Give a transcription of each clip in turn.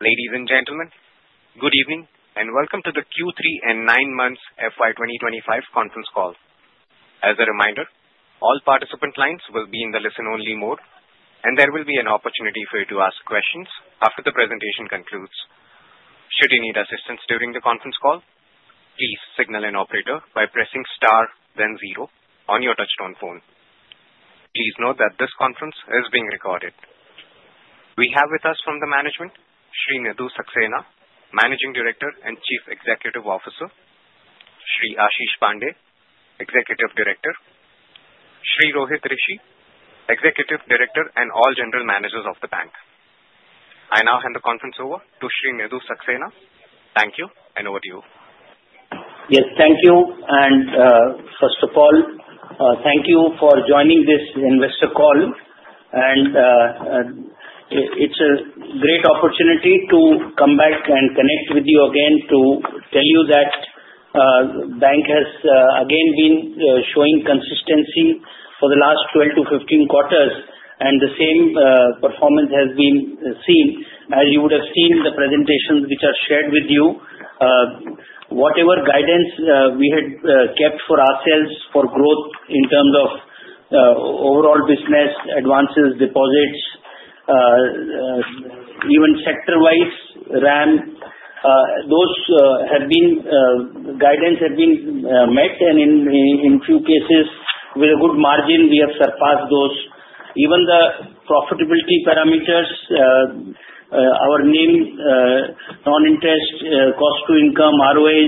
Ladies and gentlemen, good evening and welcome to the Q3 and nine months FY 2025 conference call. As a reminder, all participant lines will be in the listen-only mode, and there will be an opportunity for you to ask questions after the presentation concludes. Should you need assistance during the conference call, please signal an operator by pressing star, then zero, on your touchtone phone. Please note that this conference is being recorded. We have with us from the management, Shri Nidhu Saxena, Managing Director and Chief Executive Officer. Shri Ashish Pandey, Executive Director. Shri Rohit Rishi, Executive Director and all General Managers of the Bank. I now hand the conference over to Shri Nidhu Saxena. Thank you, and over to you. Yes, thank you. And first of all, thank you for joining this investor call. And it's a great opportunity to come back and connect with you again to tell you that the Bank has again been showing consistency for the last 12-15 quarters, and the same performance has been seen, as you would have seen in the presentations which are shared with you. Whatever guidance we had kept for ourselves for growth in terms of overall business advances, deposits, even sector-wise RAM, those guidance have been met, and in a few cases, with a good margin, we have surpassed those. Even the profitability parameters, our NIM, non-interest, cost to income, ROA,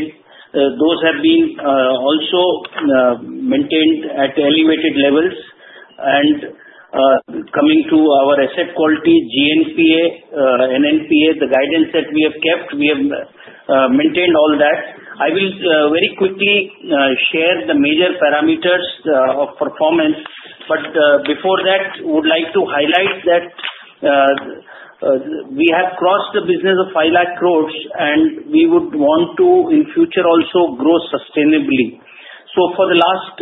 those have been also maintained at elevated levels. And coming to our asset quality, GNPA, NNPA, the guidance that we have kept, we have maintained all that. I will very quickly share the major parameters of performance, but before that, I would like to highlight that we have crossed the business of 5 lakh crores, and we would want to, in future, also grow sustainably. For the last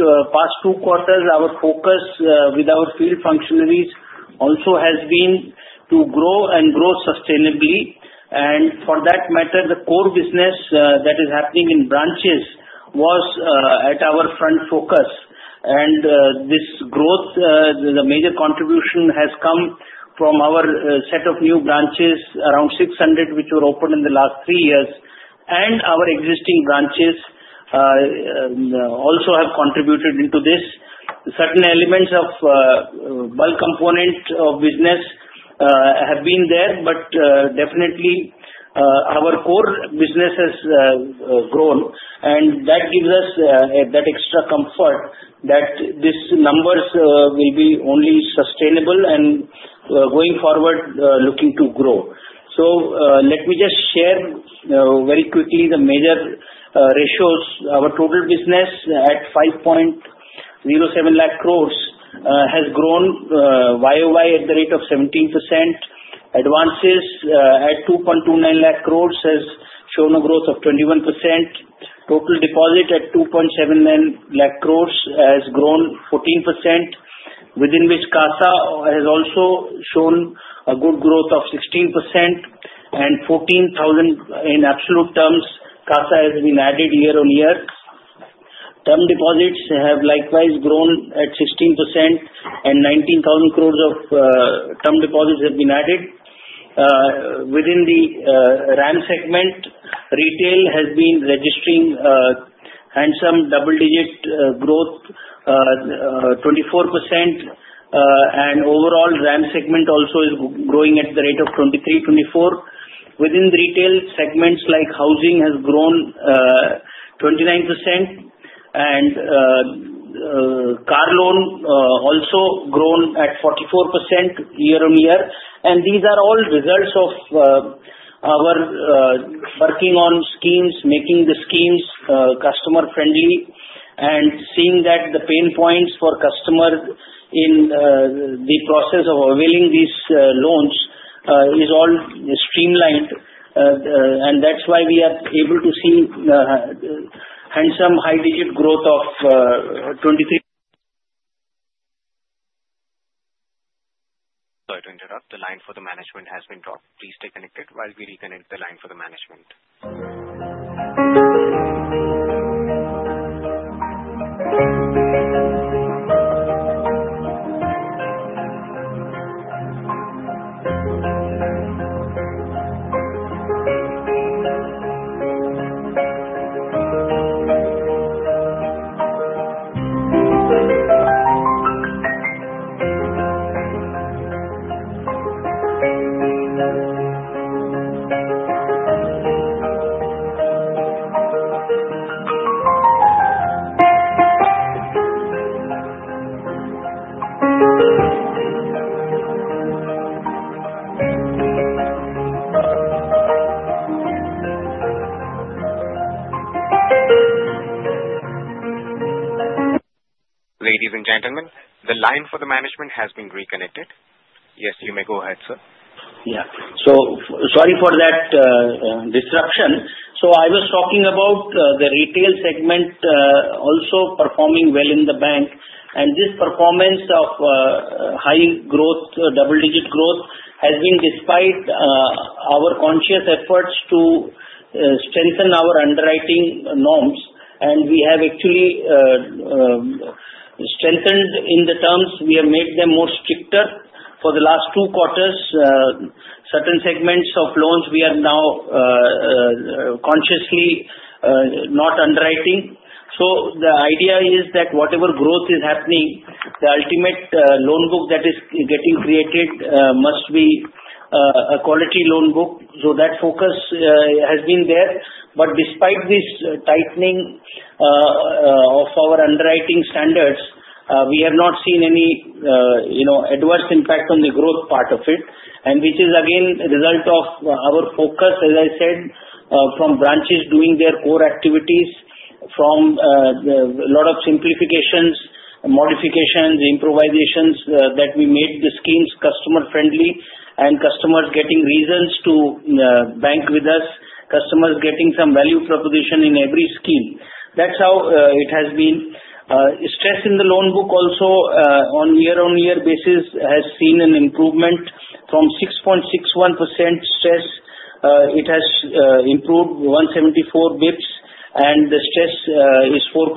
two quarters, our focus with our field functionaries also has been to grow and grow sustainably. For that matter, the core business that is happening in branches was at our front focus. This growth, the major contribution has come from our set of new branches, around 600, which were opened in the last three years. Our existing branches also have contributed into this. Certain elements of bulk component of business have been there, but definitely our core business has grown, and that gives us that extra comfort that these numbers will be only sustainable and going forward looking to grow. So let me just share very quickly the major ratios. Our total business at 5.07 lakh crores has grown YoY at the rate of 17%. Advances at 2.29 lakh crores have shown a growth of 21%. Total deposit at 2.79 lakh crores has grown 14%, within which CASA has also shown a good growth of 16%. And 14,000 in absolute terms, CASA has been added year on year. Term deposits have likewise grown at 16%, and 19,000 crores of term deposits have been added. Within the RAM segment, retail has been registering handsome double-digit growth, 24%. And overall, RAM segment also is growing at the rate of 23%-24%. Within the retail segments, housing has grown 29%, and car loan also grown at 44% year on year. And these are all results of our working on schemes, making the schemes customer-friendly, and seeing that the pain points for customers in the process of availing these loans are all streamlined. And that's why we are able to see handsome high-digit growth of 2023. Sorry to interrupt. The line for the management has been dropped. Please stay connected while we reconnect the line for the management. Ladies and gentlemen, the line for the management has been reconnected. Yes, you may go ahead, sir. Yeah, so sorry for that disruption, so I was talking about the retail segment also performing well in the Bank, and this performance of high growth, double-digit growth has been despite our conscious efforts to strengthen our underwriting norms, and we have actually strengthened in the terms. We have made them more stricter for the last two quarters. Certain segments of loans we are now consciously not underwriting, so the idea is that whatever growth is happening, the ultimate loan book that is getting created must be a quality loan book, so that focus has been there. But despite this tightening of our underwriting standards, we have not seen any adverse impact on the growth part of it, which is again a result of our focus, as I said, from branches doing their core activities, from a lot of simplifications, modifications, improvisations that we made the schemes customer-friendly, and customers getting reasons to bank with us, customers getting some value proposition in every scheme. That's how it has been. Stress in the loan book also on year-on-year basis has seen an improvement from 6.61% stress. It has improved 174 basis points, and the stress is 4.87.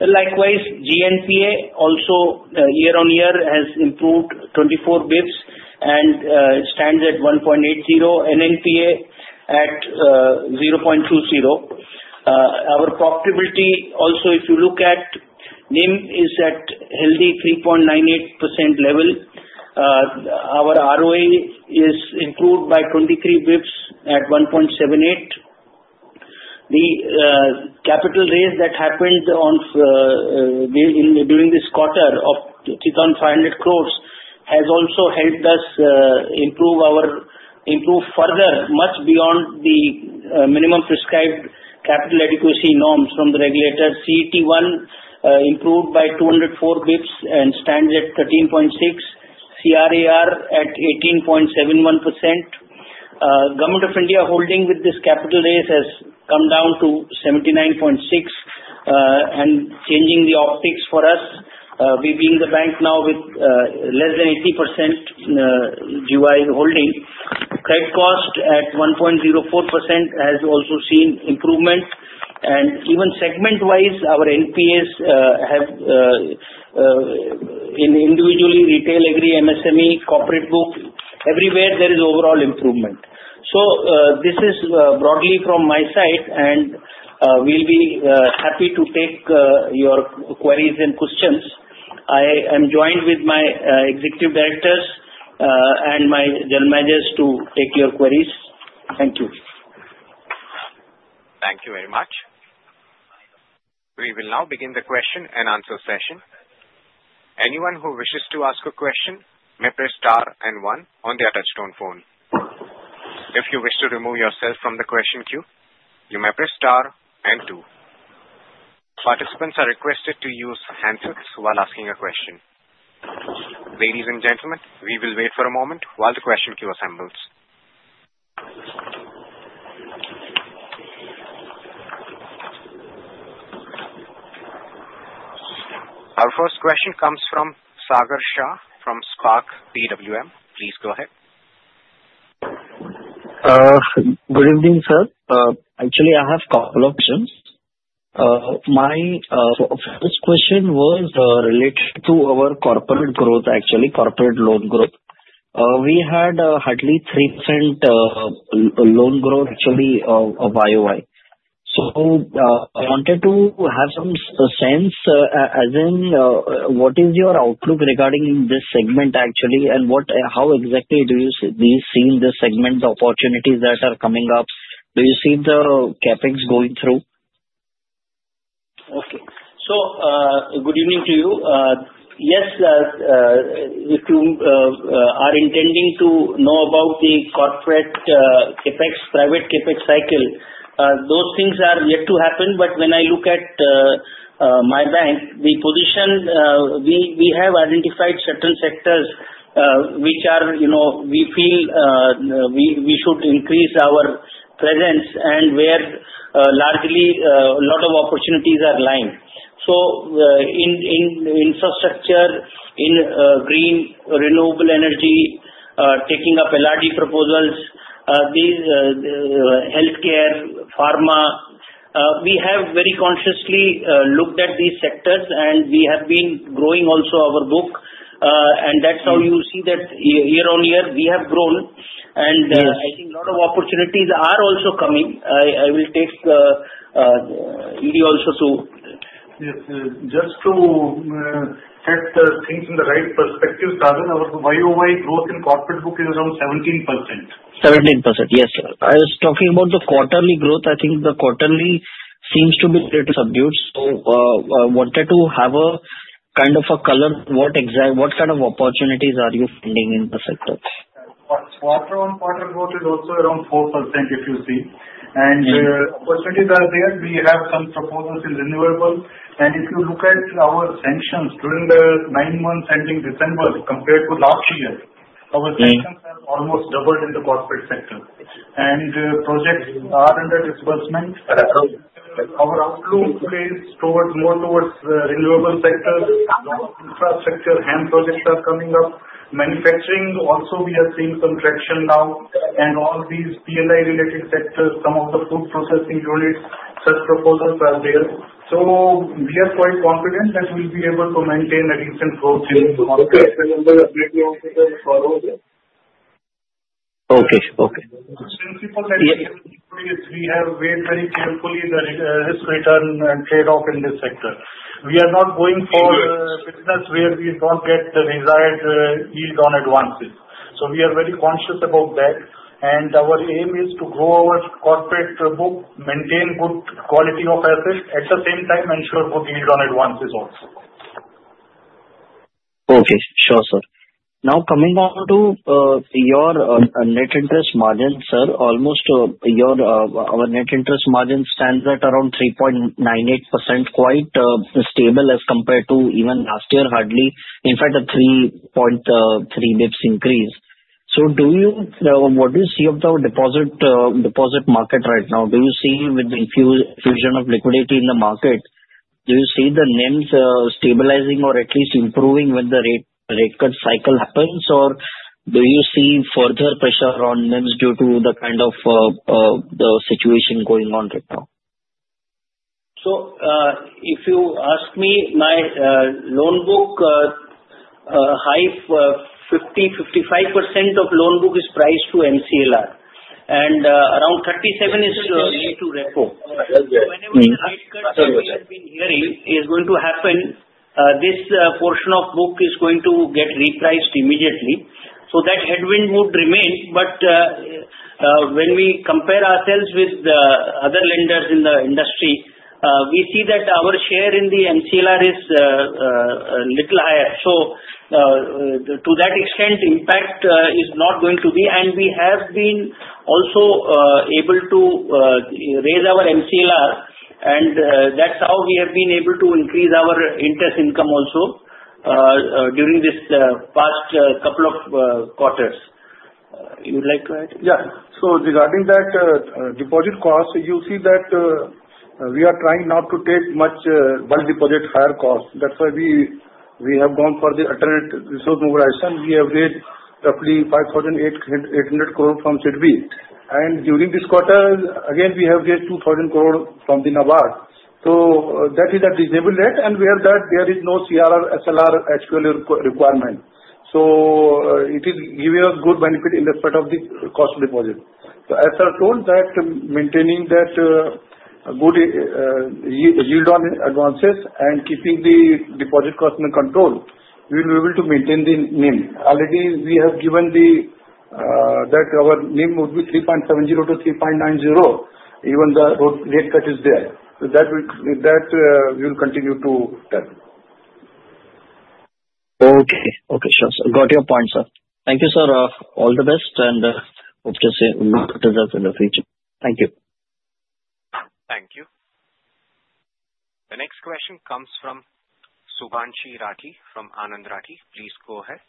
Likewise, GNPA also year-on-year has improved 24 basis points and stands at 1.80. NNPA at 0.20. Our profitability also, if you look at NIM, is at a healthy 3.98% level. Our ROA is improved by 23 basis points at 1.78. The capital raise that happened during this quarter of 2,500 crores has also helped us improve further, much beyond the minimum prescribed capital adequacy norms from the regulator. CET1 improved by 204 basis points and stands at 13.6%. CRAR at 18.71%. Government of India holding with this capital raise has come down to 79.6%, changing the optics for us. We being the Bank now with less than 80% GOI holding. Credit cost at 1.04% has also seen improvement. Even segment-wise, our NPAs have individually retail, agri, MSME, corporate book. Everywhere there is overall improvement. This is broadly from my side, and we'll be happy to take your queries and questions. I am joined with my executive directors and my general managers to take your queries. Thank you. Thank you very much. We will now begin the question and answer session. Anyone who wishes to ask a question may press star and one on the touch-tone phone. If you wish to remove yourself from the question queue, you may press star and two. Participants are requested to use handsets while asking a question. Ladies and gentlemen, we will wait for a moment while the question queue assembles. Our first question comes from Sagar Shah from Spark PWM. Please go ahead. Good evening, sir. Actually, I have a couple of questions. My first question was related to our corporate growth, actually, corporate loan growth. We had hardly 3% loan growth, actually, of YoY. So I wanted to have some sense, as in what is your outlook regarding this segment, actually, and how exactly do you see in this segment the opportunities that are coming up? Do you see the CapEx going through? Okay. So good evening to you. Yes, if you are intending to know about the corporate CapEx, private CapEx cycle, those things are yet to happen. But when I look at my bank, the position we have identified certain sectors which we feel we should increase our presence and where largely a lot of opportunities are lying. So in infrastructure, in green, renewable energy, taking up LRD proposals, healthcare, pharma, we have very consciously looked at these sectors, and we have been growing also our book. And that's how you see that year on year we have grown. And I think a lot of opportunities are also coming. I will take you also to. Yes. Just to set things in the right perspective, Sagar, our YoY growth in corporate book is around 17%. 17%. Yes, sir. I was talking about the quarterly growth. I think the quarterly seems to be a little subdued. So I wanted to have a kind of a color, what kind of opportunities are you finding in the sector? Quarter-on-quarter growth is also around 4%, if you see. Opportunities are there. We have some proposals in renewable. If you look at our sanctions during the nine months ending December compared to last year, our sanctions have almost doubled in the corporate sector. Projects are under disbursement. Our outlook plays more towards renewable sectors. Infrastructure and projects are coming up. Manufacturing also we are seeing some traction now. All these PLI-related sectors, some of the food processing units, such proposals are there. We are quite confident that we'll be able to maintain a decent growth in the corporate sector. Okay. Okay. The principle that we have weighed very carefully is the risk-return trade-off in this sector. We are not going for business where we don't get the desired yield on advances. So we are very conscious about that. And our aim is to grow our corporate book, maintain good quality of assets, at the same time ensure good yield on advances also. Okay. Sure, sir. Now coming on to your net interest margin, sir, almost our net interest margin stands at around 3.98%, quite stable as compared to even last year, hardly, in fact, a 3.3 basis points increase. So what do you see of the deposit market right now? Do you see with the infusion of liquidity in the market, do you see the NIMs stabilizing or at least improving when the rate cut cycle happens, or do you see further pressure on NIMs due to the kind of situation going on right now? So if you ask me, my loan book – 50%-55% of loan book is priced to MCLR, and around 37% is to repo. So whenever the rate cuts we have been hearing is going to happen, this portion of book is going to get repriced immediately. So that headwind would remain. But when we compare ourselves with other lenders in the industry, we see that our share in the MCLR is a little higher. So to that extent, impact is not going to be. And we have been also able to raise our MCLR, and that's how we have been able to increase our interest income also during this past couple of quarters. You would like to add? Yeah. So regarding that deposit cost, you see that we are trying not to take much bulk deposit higher cost. That's why we have gone for the alternate resource mobilization. We have raised roughly 5,800 crores from SIDBI. And during this quarter, again, we have raised 2,000 crores from NABARD. So that is a reasonable rate. And with that, there is no CRR, SLR, HQLA requirement. So it is giving us good benefit in spite of the cost of deposit. So as I told, maintaining that good yield on advances and keeping the deposit cost under control, we will be able to maintain the NIM. Already, we have given that our NIM would be 3.70%-3.90% even though rate cut is there. So that we will continue to tackle. Okay. Okay. Sure. Got your point, sir. Thank you, sir. All the best, and hope to see good results in the future. Thank you. Thank you. The next question comes from Shubhanshi Rathi from Anand Rathi. Please go ahead.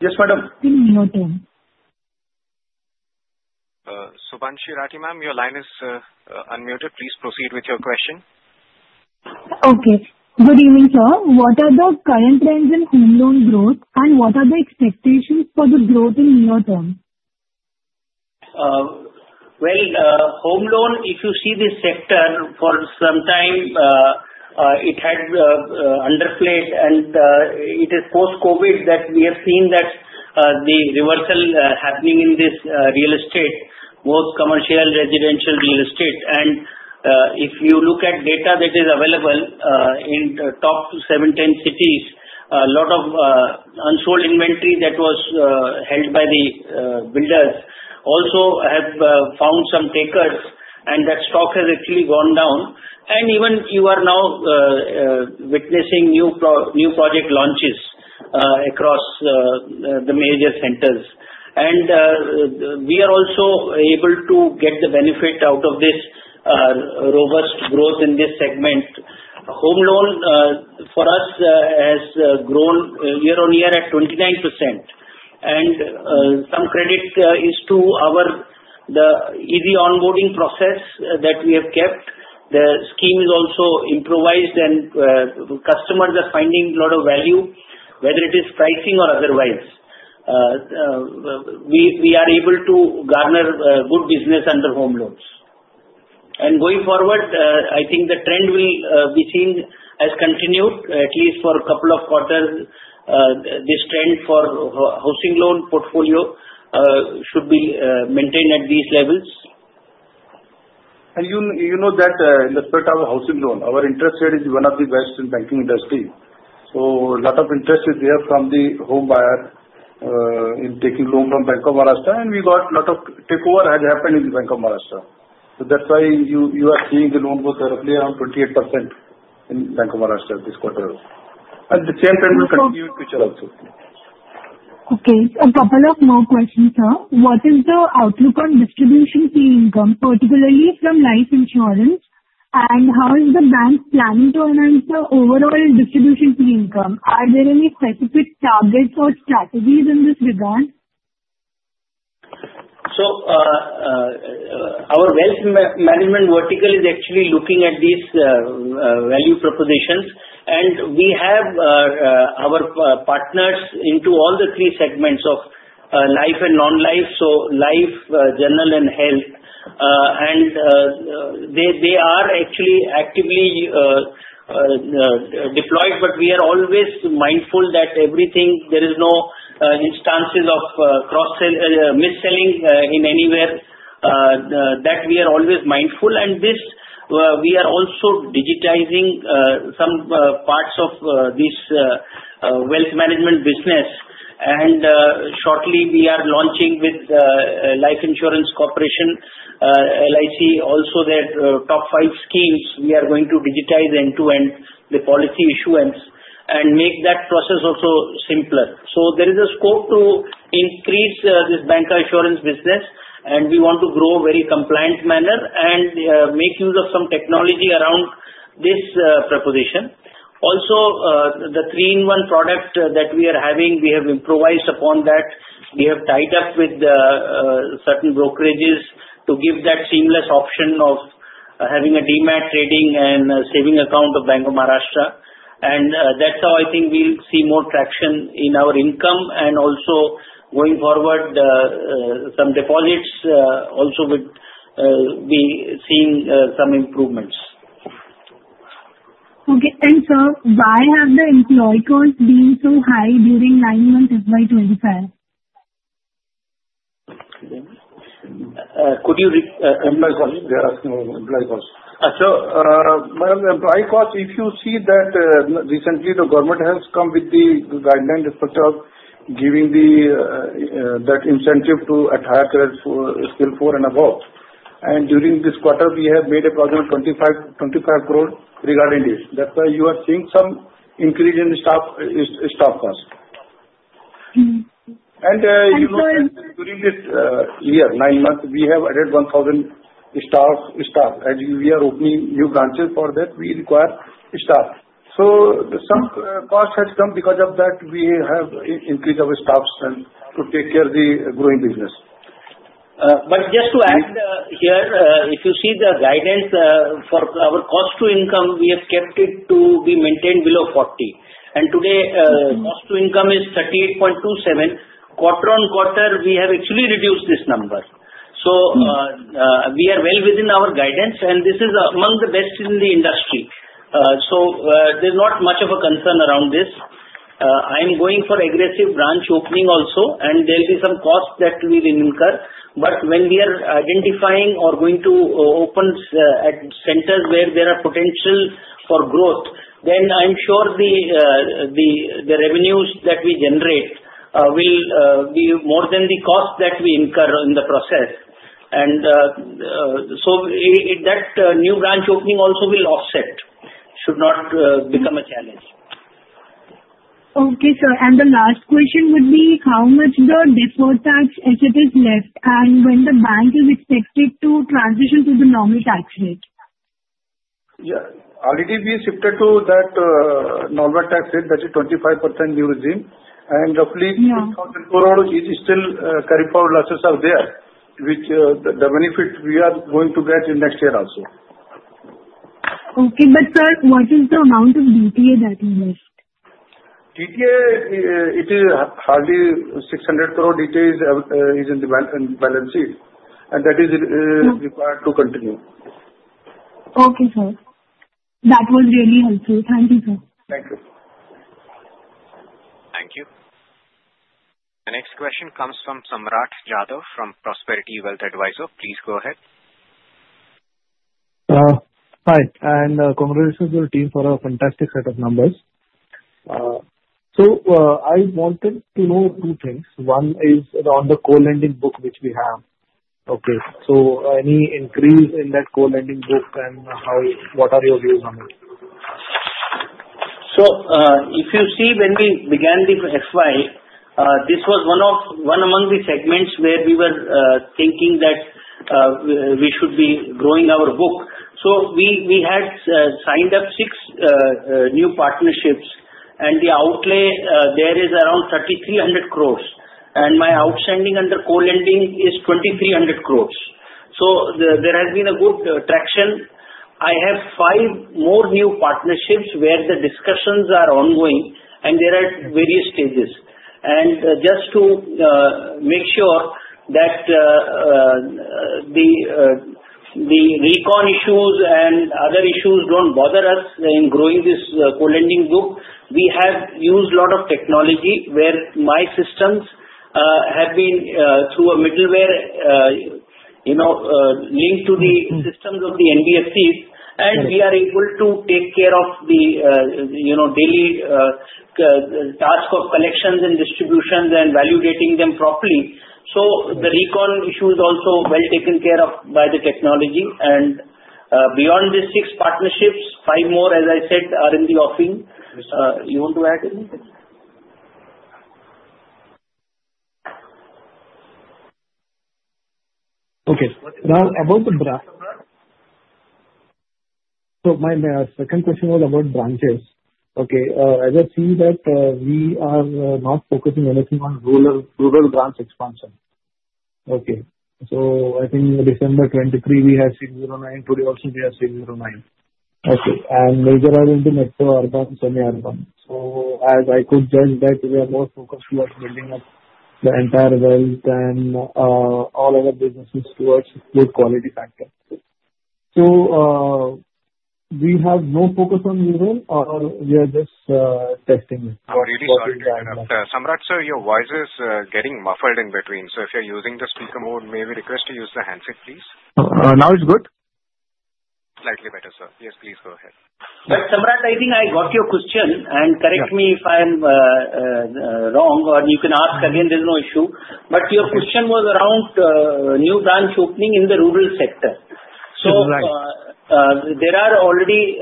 Yes, madam. No time. Shubhanshi Rathi ma'am, your line is unmuted. Please proceed with your question. Okay. Good evening, sir. What are the current trends in home loan growth, and what are the expectations for the growth in the near term? Home loan, if you see this sector for some time, it had underplayed, and it is post-COVID that we have seen that the reversal happening in this real estate, both commercial, residential, real estate. If you look at data that is available in the top seven, 10 cities, a lot of unsold inventory that was held by the builders also have found some takers, and that stock has actually gone down. Even you are now witnessing new project launches across the major centers. We are also able to get the benefit out of this robust growth in this segment. Home loan for us has grown year-on-year at 29%. Some credit is to our easy onboarding process that we have kept. The scheme is also improvised, and customers are finding a lot of value, whether it is pricing or otherwise. We are able to garner good business under home loans, and going forward, I think the trend will be seen as continued, at least for a couple of quarters. This trend for housing loan portfolio should be maintained at these levels. And you know that in the spirit of housing loan, our interest rate is one of the best in the banking industry. So a lot of interest is there from the home buyer in taking loan from Bank of Maharashtra. And we got a lot of takeover has happened in Bank of Maharashtra. So that's why you are seeing the loan go roughly around 28% in Bank of Maharashtra this quarter. And the same trend will continue in the future also. Okay. A couple of more questions, sir. What is the outlook on distribution fee income, particularly from life insurance? And how is the bank planning to enhance the overall distribution fee income? Are there any specific targets or strategies in this regard? So our wealth management vertical is actually looking at these value propositions. And we have our partners into all the three segments of life and non-life, so life, general, and health. And they are actually actively deployed, but we are always mindful that there are no instances of mis-selling anywhere. That we are always mindful. And we are also digitizing some parts of this wealth management business. And shortly, we are launching with Life Insurance Corporation, LIC, also their top five schemes. We are going to digitize end-to-end the policy issuance and make that process also simpler. So there is a scope to increase this bancassurance business, and we want to grow in a very compliant manner and make use of some technology around this proposition. Also, the three-in-one product that we are having, we have improvised upon that. We have tied up with certain brokerages to give that seamless option of having a demat, trading, and savings account of Bank of Maharashtra, and that's how I think we'll see more traction in our income, and also, going forward, some deposits also would be seeing some improvements. Okay. And Sir, why have the employee costs been so high during nine months by 25%? Could you explain? Sorry, they're asking about employee costs. Sir, ma'am, the employee cost, if you see that recently the government has come with the guideline in terms of giving that incentive to officers in Scale IV and above. And during this quarter, we have made a provision of 25 crores regarding this. That's why you are seeing some increase in staff cost. And during this year, nine months, we have added 1,000 staff. As we are opening new branches for that, we require staff. So some cost has come because of that we have increased our staff to take care of the growing business. But just to add here, if you see the guidance for our cost to income, we have kept it to be maintained below 40%. And today, cost to income is 38.27%. Quarter on quarter, we have actually reduced this number. So we are well within our guidance, and this is among the best in the industry, so there's not much of a concern around this. I'm going for aggressive branch opening also, and there will be some costs that we will incur. But when we are identifying or going to open centers where there are potential for growth, then I'm sure the revenues that we generate will be more than the cost that we incur in the process, and so that new branch opening also will offset, should not become a challenge. Okay, sir. And the last question would be, how much is the deferred tax as it is left? And when the bank is expected to transition to the normal tax rate? Yeah. Already, we have shifted to that normal tax rate. That is 25% new regime, and roughly 2,000 crores is still carry forward losses are there, which the benefit we are going to get in next year also. Okay, but sir, what is the amount of DTA that you missed? DTA, it is hardly 600 crores. DTA is in the balance sheet. That is required to continue. Okay, sir. That was really helpful. Thank you, sir. Thank you. Thank you. The next question comes from Samraat Jadhav from Prosperity Wealth Advisors. Please go ahead. Hi. Congratulations to the team for a fantastic set of numbers. I wanted to know two things. One is around the co-lending book which we have. Okay. Any increase in that co-lending book and what are your views on it? If you see, when we began with RAM, this was one among the segments where we were thinking that we should be growing our book. We had signed up six new partnerships, and the outlay there is around 3,300 crores. My outstanding under co-lending is 2,300 crores. There has been a good traction. I have five more new partnerships where the discussions are ongoing, and they are at various stages. Just to make sure that the recon issues and other issues don't bother us in growing this co-lending book, we have used a lot of technology where my systems have been through a middleware linked to the systems of the NBFCs, and we are able to take care of the daily task of collections and distributions and validating them properly. The recon issue is also well taken care of by the technology. And beyond these six partnerships, five more, as I said, are in the offing. You want to add anything? Okay. Now, about the branch. So my second question was about branches. Okay. As I see that we are not focusing anything on rural branch expansion. Okay. So I think in December 2023, we had 609. Today also, we have 609. Okay. And major are into Metro Urban and Semi-Urban. So as I could judge that, we are more focused towards building up the entire wealth and all other businesses towards good quality factor. So we have no focus on rural, or we are just testing it? Samrat, sir, your voice is getting muffled in between. So if you're using the speaker mode, may we request to use the handset, please? Now it's good? Slightly better, sir. Yes, please go ahead. But Samraat, I think I got your question. And correct me if I'm wrong, or you can ask again. There's no issue. But your question was around new branch opening in the rural sector. So there are already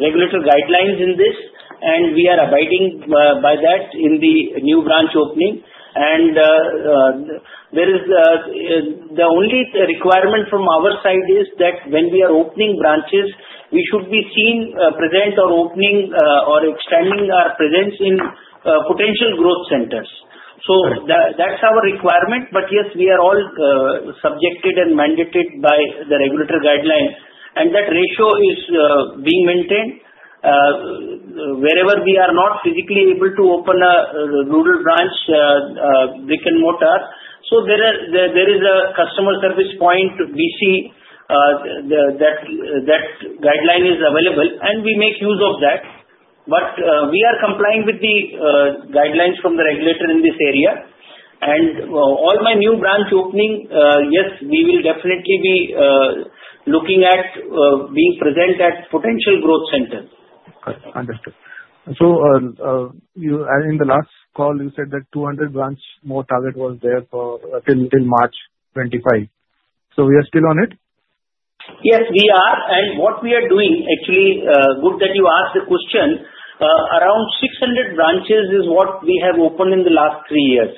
regulatory guidelines in this, and we are abiding by that in the new branch opening. And the only requirement from our side is that when we are opening branches, we should be seen present or opening or extending our presence in potential growth centers. So that's our requirement. But yes, we are all subjected and mandated by the regulatory guidelines. And that ratio is being maintained. Wherever we are not physically able to open a rural branch, they can note us. So there is a customer service point, BC, that guideline is available, and we make use of that. But we are complying with the guidelines from the regulator in this area. All my new branch opening, yes, we will definitely be looking at being present at potential growth centers. Understood. So in the last call, you said that 200 branch more target was there till March 2025. So we are still on it? Yes, we are, and what we are doing, actually, good that you asked the question. Around 600 branches is what we have opened in the last three years,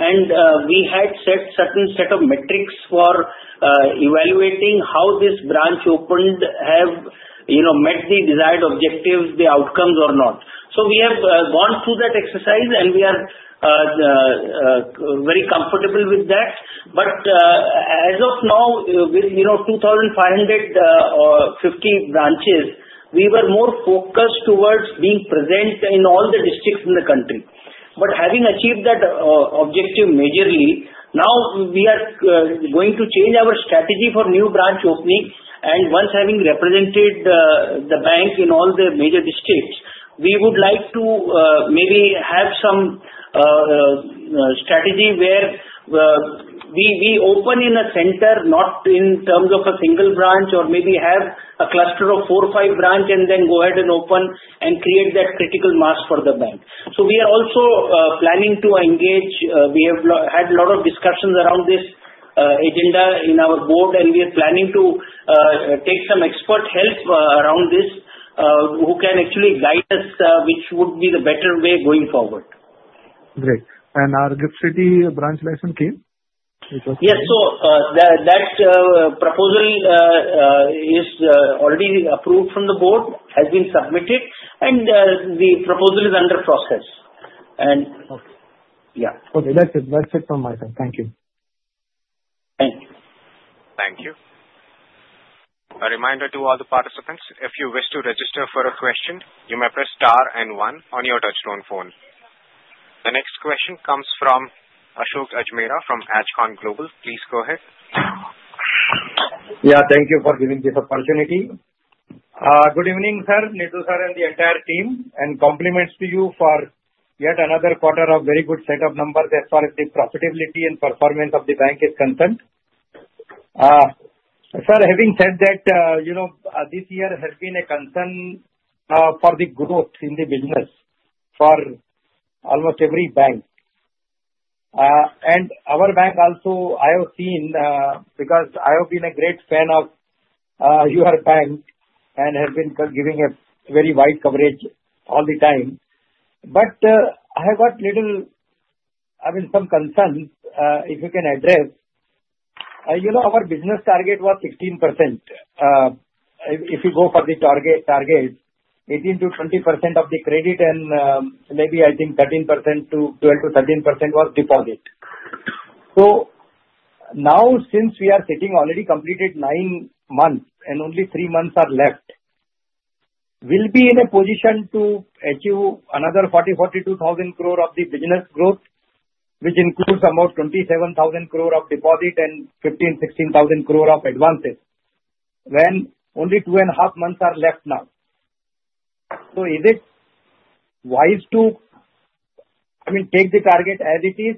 and we had set a certain set of metrics for evaluating how this branch opened has met the desired objectives, the outcomes, or not, so we have gone through that exercise, and we are very comfortable with that, but as of now, with 2,550 branches, we were more focused towards being present in all the districts in the country, but having achieved that objective majorly, now we are going to change our strategy for new branch opening. And once having represented the bank in all the major districts, we would like to maybe have some strategy where we open in a center, not in terms of a single branch, or maybe have a cluster of four or five branches, and then go ahead and open and create that critical mass for the bank. So we are also planning to engage. We have had a lot of discussions around this agenda in our board, and we are planning to take some expert help around this who can actually guide us, which would be the better way going forward. Great. And our GIFT City branch license came? Yes. So that proposal is already approved from the board, has been submitted, and the proposal is under process. And yeah. Okay. That's it from my side. Thank you. Thank you. Thank you. A reminder to all the participants, if you wish to register for a question, you may press star and one on your touch-tone phone. The next question comes from Ashok Ajmera from Ajcon Global. Please go ahead. Yeah. Thank you for giving this opportunity. Good evening, sir, Nidhu sir, and the entire team, and compliments to you for yet another quarter of very good set of numbers as far as the profitability and performance of the bank is concerned. Sir, having said that, this year has been a concern for the growth in the business for almost every bank, and our bank also, I have seen, because I have been a great fan of your bank and have been giving a very wide coverage all the time, but I have got little, I mean, some concerns, if you can address. Our business target was 16%. If you go for the target, 18%-20% of the credit and maybe, I think, 13%-12%-13% was deposit. Now, since we are sitting already completed nine months and only three months are left, we'll be in a position to achieve another 40,000 crore-42,000 crore of the business growth, which includes about 27,000 crore of deposit and 15,000-16,000 crore of advances when only two and a half months are left now. Is it wise to, I mean, take the target as it is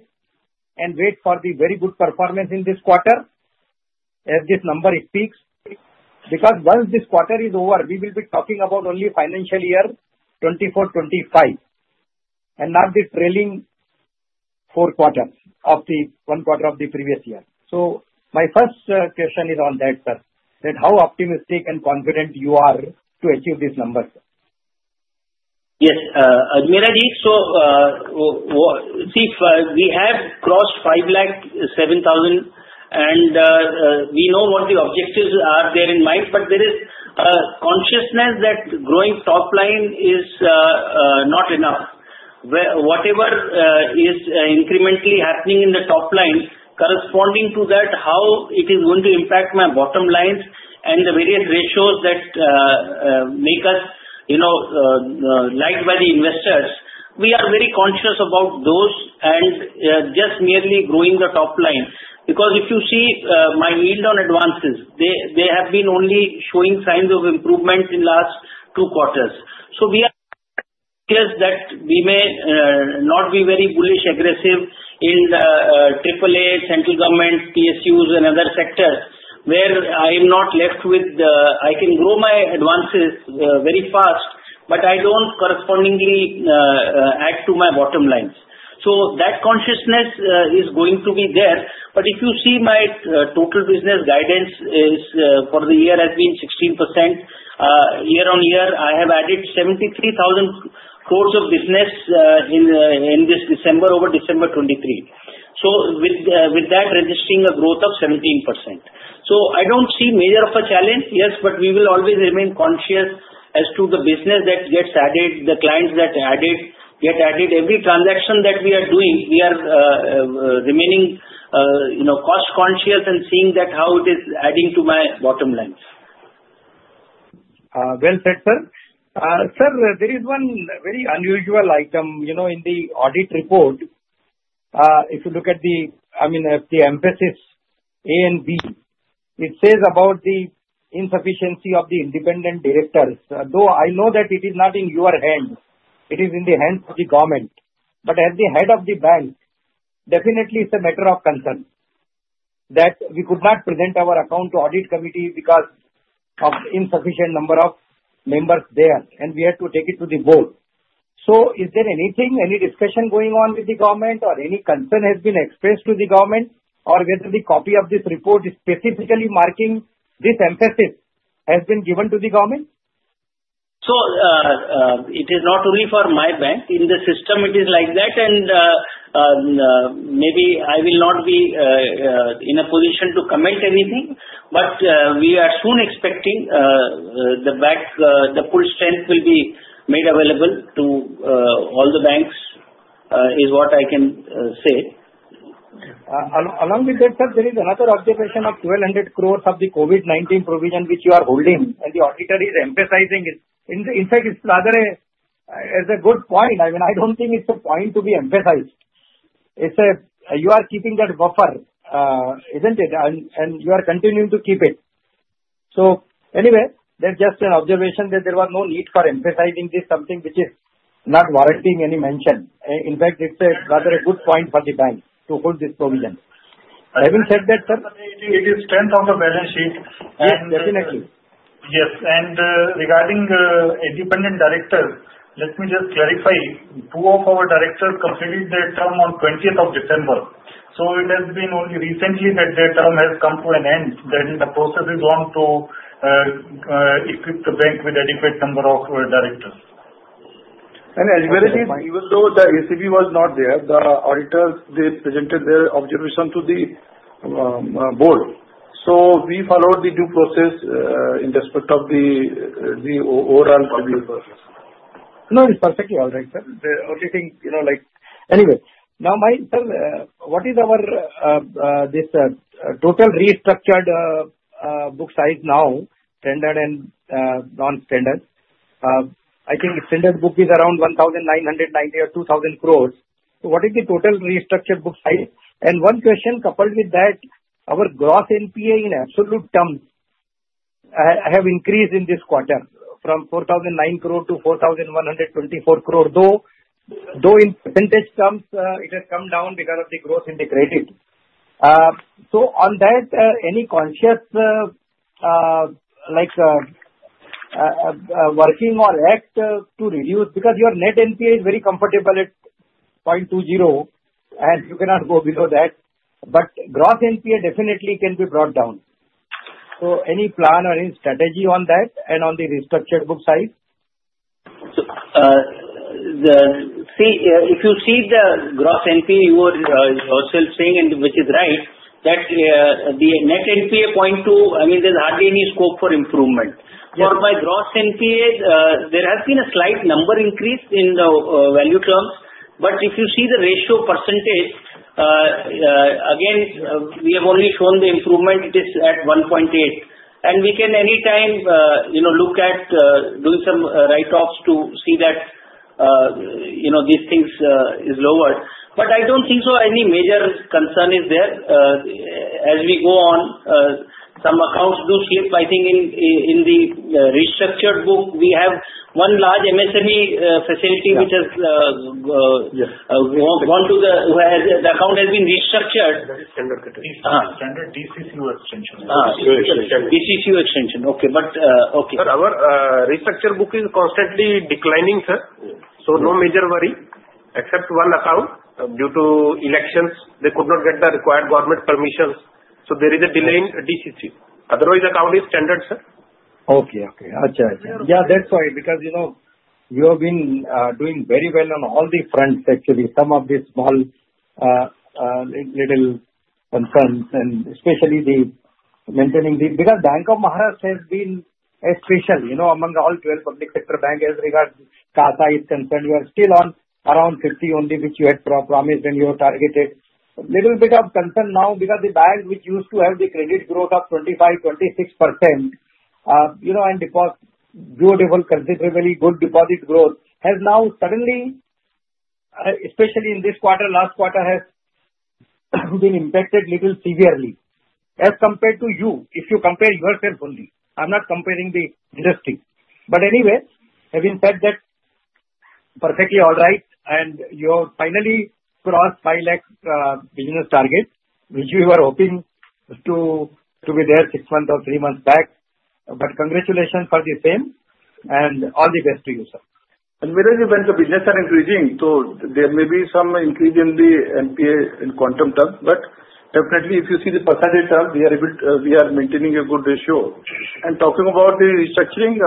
and wait for the very good performance in this quarter as this number speaks? Because once this quarter is over, we will be talking about only financial year 2024-25 and not the trailing four quarters of the one quarter of the previous year. My first question is on that, sir, that how optimistic and confident you are to achieve these numbers? Yes, Ajmera ji. So see, we have crossed 507,000, and we know what the objectives are there in mind. But there is a consciousness that growing top line is not enough. Whatever is incrementally happening in the top line, corresponding to that, how it is going to impact my bottom lines and the various ratios that make us liked by the investors, we are very conscious about those and just merely growing the top line. Because if you see my yield on advances, they have been only showing signs of improvement in the last two quarters. So we are conscious that we may not be very bullish, aggressive in the AAA central government, PSUs, and other sectors where I am not left with the I can grow my advances very fast, but I don't correspondingly add to my bottom lines. So that consciousness is going to be there. But if you see my total business guidance for the year has been 16% year on year. I have added 73,000 crores of business in this December, over December 2023. So with that, registering a growth of 17%. So I don't see much of a challenge. Yes, but we will always remain conscious as to the business that gets added, the clients that get added. Every transaction that we are doing, we are remaining cost conscious and seeing how it is adding to my bottom line. Well said, sir. Sir, there is one very unusual item in the audit report. If you look at the, I mean, at the emphasis A and B, it says about the insufficiency of the independent directors. Though I know that it is not in your hand, it is in the hands of the government. But at the head of the bank, definitely, it's a matter of concern that we could not present our account to audit committee because of insufficient number of members there, and we had to take it to the board. So is there anything, any discussion going on with the government, or any concern has been expressed to the government, or whether the copy of this report is specifically marking this emphasis has been given to the government? So it is not only for my bank. In the system, it is like that. And maybe I will not be in a position to comment anything, but we are soon expecting the full strength will be made available to all the banks is what I can say. Along with that, sir, there is another observation of 1,200 crores of the COVID-19 provision which you are holding, and the auditor is emphasizing it. In fact, it's rather a good point. I mean, I don't think it's a point to be emphasized. You are keeping that buffer, isn't it? And you are continuing to keep it. So anyway, there's just an observation that there was no need for emphasizing this, something which is not warranting any mention. In fact, it's rather a good point for the bank to hold this provision. Having said that, sir. It is strength of the balance sheet. Yes, definitely. Yes. Regarding independent directors, let me just clarify. Two of our directors completed their term on 20th of December. It has been only recently that their term has come to an end. The process is on to equip the bank with adequate number of directors. And as well as, even though the ACB was not there, the auditors, they presented their observation to the board. So we followed the due process in respect of the overall. No, it's perfectly all right, sir. The auditing like anyway. Now, sir, what is our total restructured book size now, standard and non-standard? I think standard book is around 1,990 crore or 2,000 crores. So what is the total restructured book size? And one question coupled with that, our gross NPA in absolute terms have increased in this quarter from 4,009 crore -4,124 crore, though in percentage terms, it has come down because of the growth in the credit. So on that, any conscious working or act to reduce? Because your net NPA is very comfortable at 0.20%, and you cannot go below that. But gross NPA definitely can be brought down. So any plan or any strategy on that and on the restructured book size? See, if you see the gross NPA, you are also saying, which is right, that the net NPA 0.2%, I mean, there's hardly any scope for improvement. For our gross NPA, there has been a slight number increase in the value terms. But if you see the ratio percentage, again, we have only shown the improvement is at 1.8%. We can anytime look at doing some write-offs to see that these things are lowered. But I don't think so any major concern is there. As we go on, some accounts do slip. I think in the restructured book, we have one large MSME facility which has gone to SMA, the account has been restructured. That is standard credit. Standard DCCO extension. DCCO extension. Okay. But okay. But our restructured book is constantly declining, sir. So no major worry, except one account due to elections. They could not get the required government permissions. So there is a delay in DCCO. Otherwise, the account is standard, sir. Okay. Ajay. Yeah, that's why. Because you have been doing very well on all the fronts, actually. Some of these small little concerns, and especially the maintaining because Bank of Maharashtra has been special among all 12 public sector banks as regards to CASA is concerned. You are still on around 50% only, which you had promised and you have targeted. A little bit of concern now because the bank which used to have the credit growth of 25%-26% and deposit considerably good deposit growth has now suddenly, especially in this quarter, last quarter has been impacted little severely as compared to you. If you compare yourself only, I'm not comparing the industry. But anyway, having said that, perfectly all right. You finally crossed 5 lakh business target, which you were hoping to be there six months or three months back. But congratulations for the same. All the best to you, sir. Whereas you mentioned business are increasing, so there may be some increase in the NPA in quantum terms. But definitely, if you see the percentage terms, we are maintaining a good ratio. And talking about the restructuring,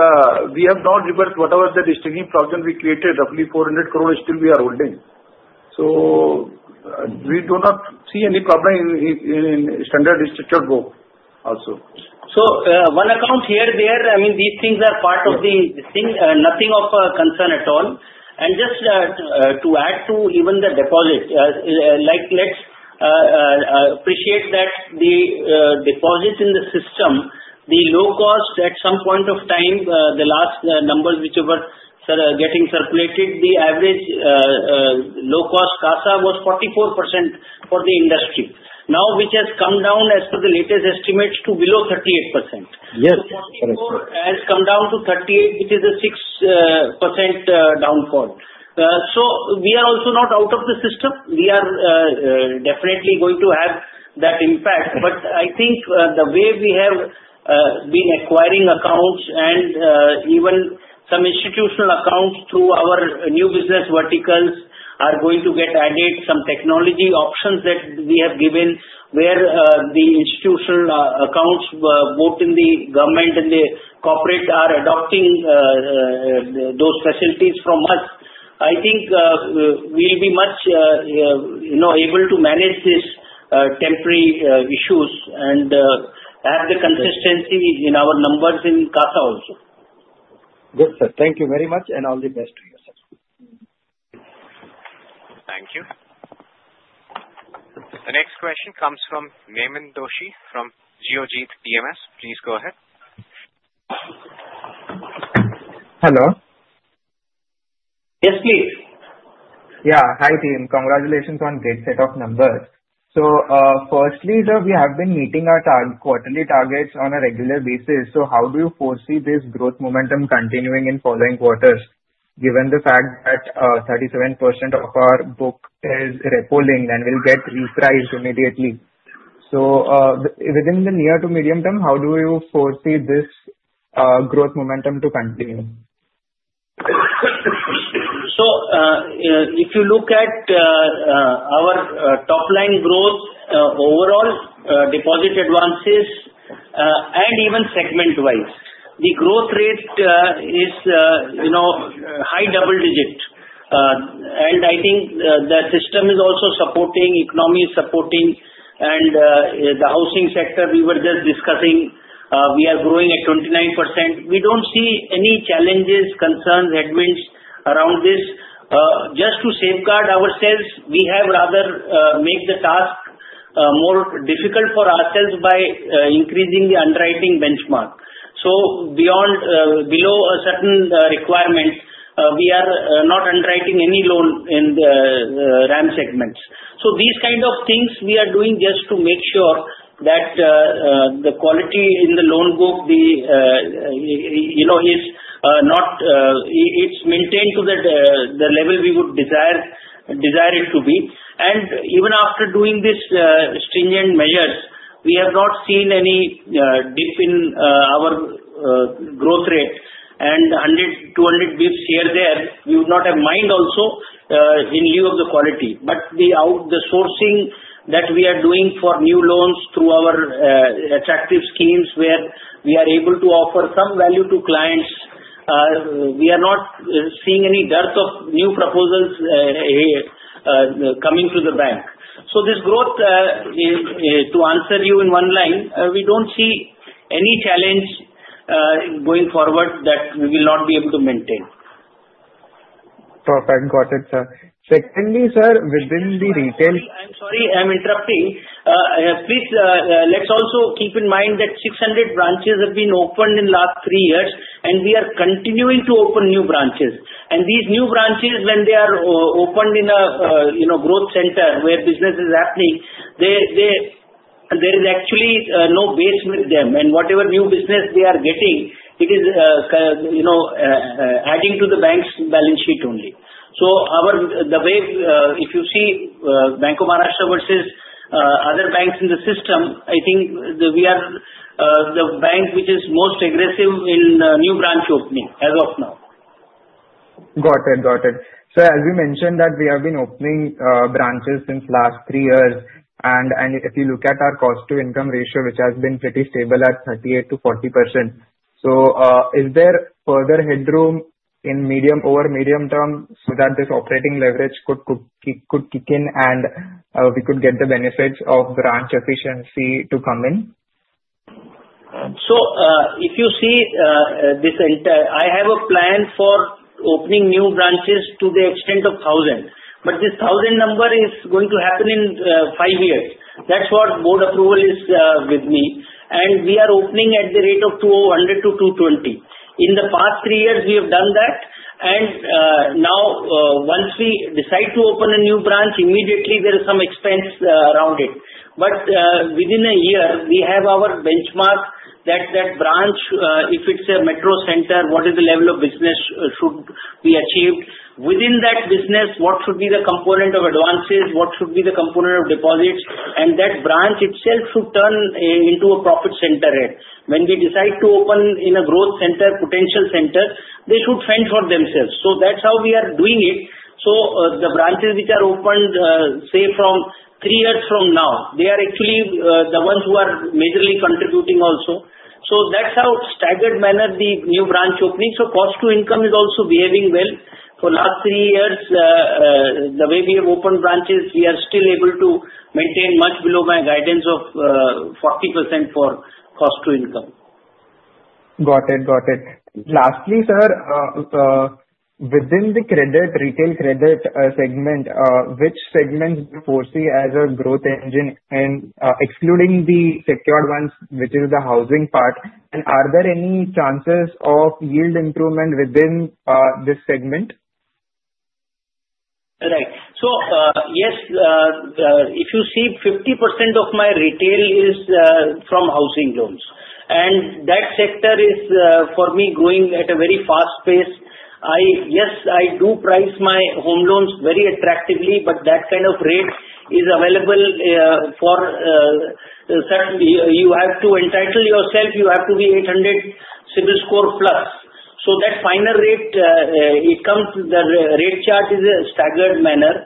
we have not reversed whatever the restructuring provision we created; roughly 400 crore still we are holding. So we do not see any problem in standard restructured book also. So one account here, there, I mean, these things are part of the thing. Nothing of concern at all. And just to add to even the deposit, let's appreciate that the deposits in the system, the low cost at some point of time, the last numbers which were getting circulated, the average low cost CASA was 44% for the industry. Now, which has come down as per the latest estimates to below 38%. Yes. Correct. So it has come down to 38, which is a 6% downfall. So we are also not out of the system. We are definitely going to have that impact. But I think the way we have been acquiring accounts and even some institutional accounts through our new business verticals are going to get added some technology options that we have given where the institutional accounts, both in the government and the corporate, are adopting those facilities from us. I think we'll be much able to manage these temporary issues and have the consistency in our numbers in CASA also. Good, sir. Thank you very much and all the best to you, sir. Thank you. The next question comes from Nemin Doshi from Geojit Financial Services. Please go ahead. Hello. Yes, please. Yeah. Hi, team. Congratulations on great set of numbers. So firstly, sir, we have been meeting our quarterly targets on a regular basis. So how do you foresee this growth momentum continuing in following quarters given the fact that 37% of our book is repo-linked and will get repriced immediately? So within the near to medium term, how do you foresee this growth momentum to continue? If you look at our top line growth overall, deposits, advances, and even segment-wise, the growth rate is high double-digit. I think the system is also supporting, the economy is supporting, and the housing sector we were just discussing, we are growing at 29%. We don't see any challenges, concerns, at all around this. Just to safeguard ourselves, we have rather made the task more difficult for ourselves by increasing the underwriting benchmark. Below a certain requirement, we are not underwriting any loan in the RAM segments. These kind of things we are doing just to make sure that the quality in the loan book is maintained to the level we would desire it to be. Even after doing these stringent measures, we have not seen any dip in our growth rate. And 100, 200 basis points here and there, we would not have minded also in lieu of the quality. But the sourcing that we are doing for new loans through our attractive schemes where we are able to offer some value to clients, we are not seeing any dearth of new proposals coming to the bank. So this growth, to answer you in one line, we don't see any challenge going forward that we will not be able to maintain. Perfect. Got it, sir. Secondly, sir, within the retail. I'm sorry, I'm interrupting. Please let's also keep in mind that 600 branches have been opened in the last three years, and we are continuing to open new branches, and these new branches, when they are opened in a growth center where business is happening, there is actually no base with them, and whatever new business they are getting, it is adding to the bank's balance sheet only, so the way if you see Bank of Maharashtra versus other banks in the system, I think we are the bank which is most aggressive in new branch opening as of now. Got it. Got it. Sir, as you mentioned that we have been opening branches since last three years. And if you look at our cost-to-income ratio, which has been pretty stable at 38%-40%. So is there further headroom in over medium term so that this operating leverage could kick in and we could get the benefits of branch efficiency to come in? If you see this entire, I have a plan for opening new branches to the extent of 1,000. But this 1,000 number is going to happen in five years. That's what board approval is with me. And we are opening at the rate of 200-220. In the past three years, we have done that. And now, once we decide to open a new branch, immediately there is some expense around it. But within a year, we have our benchmark that that branch, if it's a metro center, what is the level of business should be achieved? Within that business, what should be the component of advances? What should be the component of deposits? And that branch itself should turn into a profit center. When we decide to open in a growth center, potential center, they should fend for themselves. So that's how we are doing it. So the branches which are opened, say, from three years from now, they are actually the ones who are majorly contributing also. So that's how staggered manner the new branch opening. So cost-to-income is also behaving well. For the last three years, the way we have opened branches, we are still able to maintain much below my guidance of 40% for cost-to-income. Got it. Got it. Lastly, sir, within the retail credit segment, which segments do you foresee as a growth engine? And excluding the secured ones, which is the housing part, are there any chances of yield improvement within this segment? Right. So yes, if you see, 50% of my retail is from housing loans, and that sector is, for me, growing at a very fast pace. Yes, I do price my home loans very attractively, but that kind of rate is available, you have to entitle yourself, you have to be 800 CIBIL score plus. So that final rate, it comes the rate chart is a staggered manner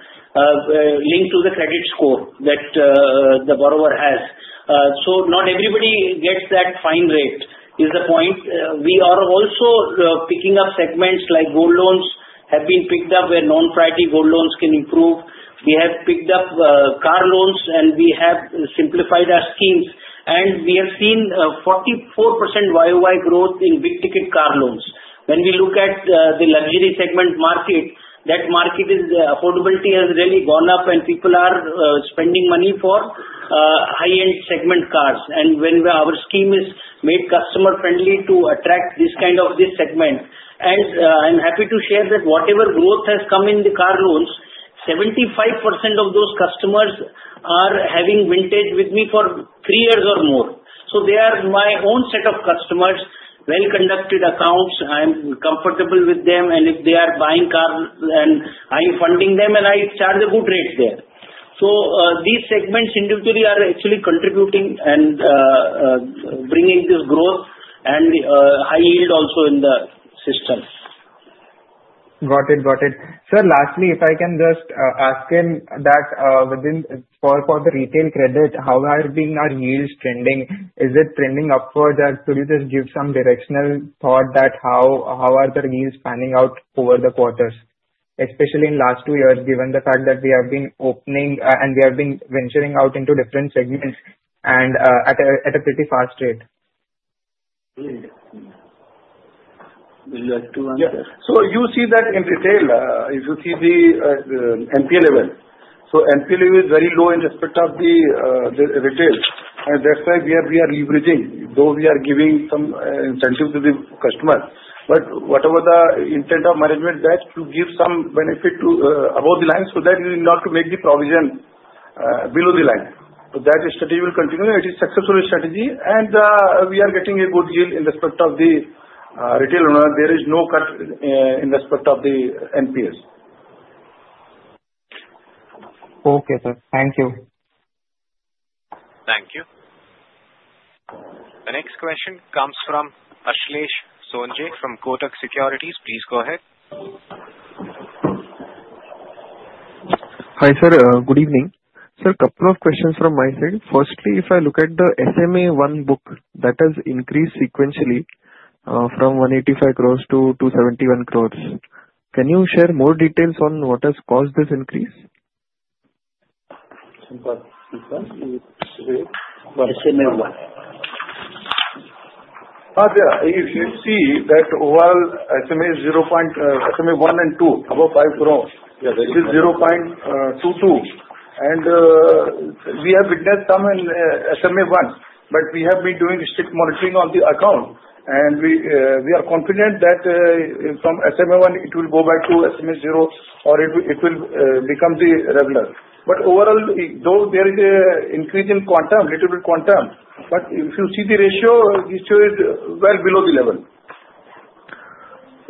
linked to the credit score that the borrower has. So not everybody gets that fine rate. Is the point. We are also picking up segments like gold loans have been picked up where non-priority gold loans can improve. We have picked up car loans, and we have simplified our schemes, and we have seen 44% YoY growth in big-ticket car loans. When we look at the luxury segment market, that market's affordability has really gone up, and people are spending money for high-end segment cars. And when our scheme is made customer-friendly to attract this kind of segment. And I'm happy to share that whatever growth has come in the car loans, 75% of those customers are having vintage with me for three years or more. So they are my own set of customers, well-conducted accounts. I'm comfortable with them. And if they are buying cars, and I'm funding them, and I charge a good rate there. So these segments individually are actually contributing and bringing this growth and high yield also in the system. Got it. Got it. Sir, lastly, if I can just ask him that for the retail credit, how have been our yields trending? Is it trending upwards? Could you just give some directional thought that how are the yields panning out over the quarters, especially in the last two years, given the fact that we have been opening and we have been venturing out into different segments and at a pretty fast rate? Will you like to answer? Yes. So you see that in retail, if you see the NPA level. So NPA level is very low in respect of the retail. And that's why we are leveraging, though we are giving some incentive to the customers. But whatever the intent of management, that to give some benefit to above the line so that you not to make the provision below the line. But that strategy will continue. It is a successful strategy. And we are getting a good yield in respect of the retail loan. There is no cut in respect of the NPAs. Okay, sir. Thank you. Thank you. The next question comes from Ashlesh Sonje from Kotak Securities. Please go ahead. Hi sir, good evening. Sir, a couple of questions from my side. Firstly, if I look at the SMA-1 book that has increased sequentially from 185 crores to 271 crores, can you share more details on what has caused this increase? SMA-1. If you see that overall SMA-1 and 2, above 5 crores, it is 0.22. And we have witnessed some in SMA-1, but we have been doing strict monitoring on the account. And we are confident that from SMA-1, it will go back to SMA-0 or it will become the regular. But overall, though there is an increase in quantum, little bit quantum, but if you see the ratio, this is well below the level.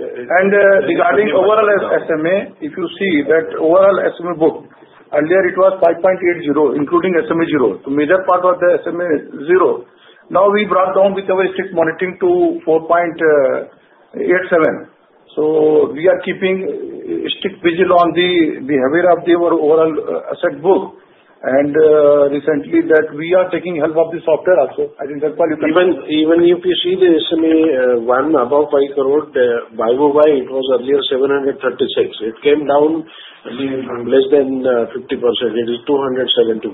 And regarding overall SMA, if you see that overall SMA book, earlier it was 5.80, including SMA-0. The major part of the SMA-0. Now we brought down with our strict monitoring to 4.87. So we are keeping strict vigil on the behavior of the overall asset book. And recently, that we are taking help of the software also. I think that's why you can. Even if you see the SMA-1 above 5 crore, YoY, it was earlier 736. It came down less than 50%. It is 271,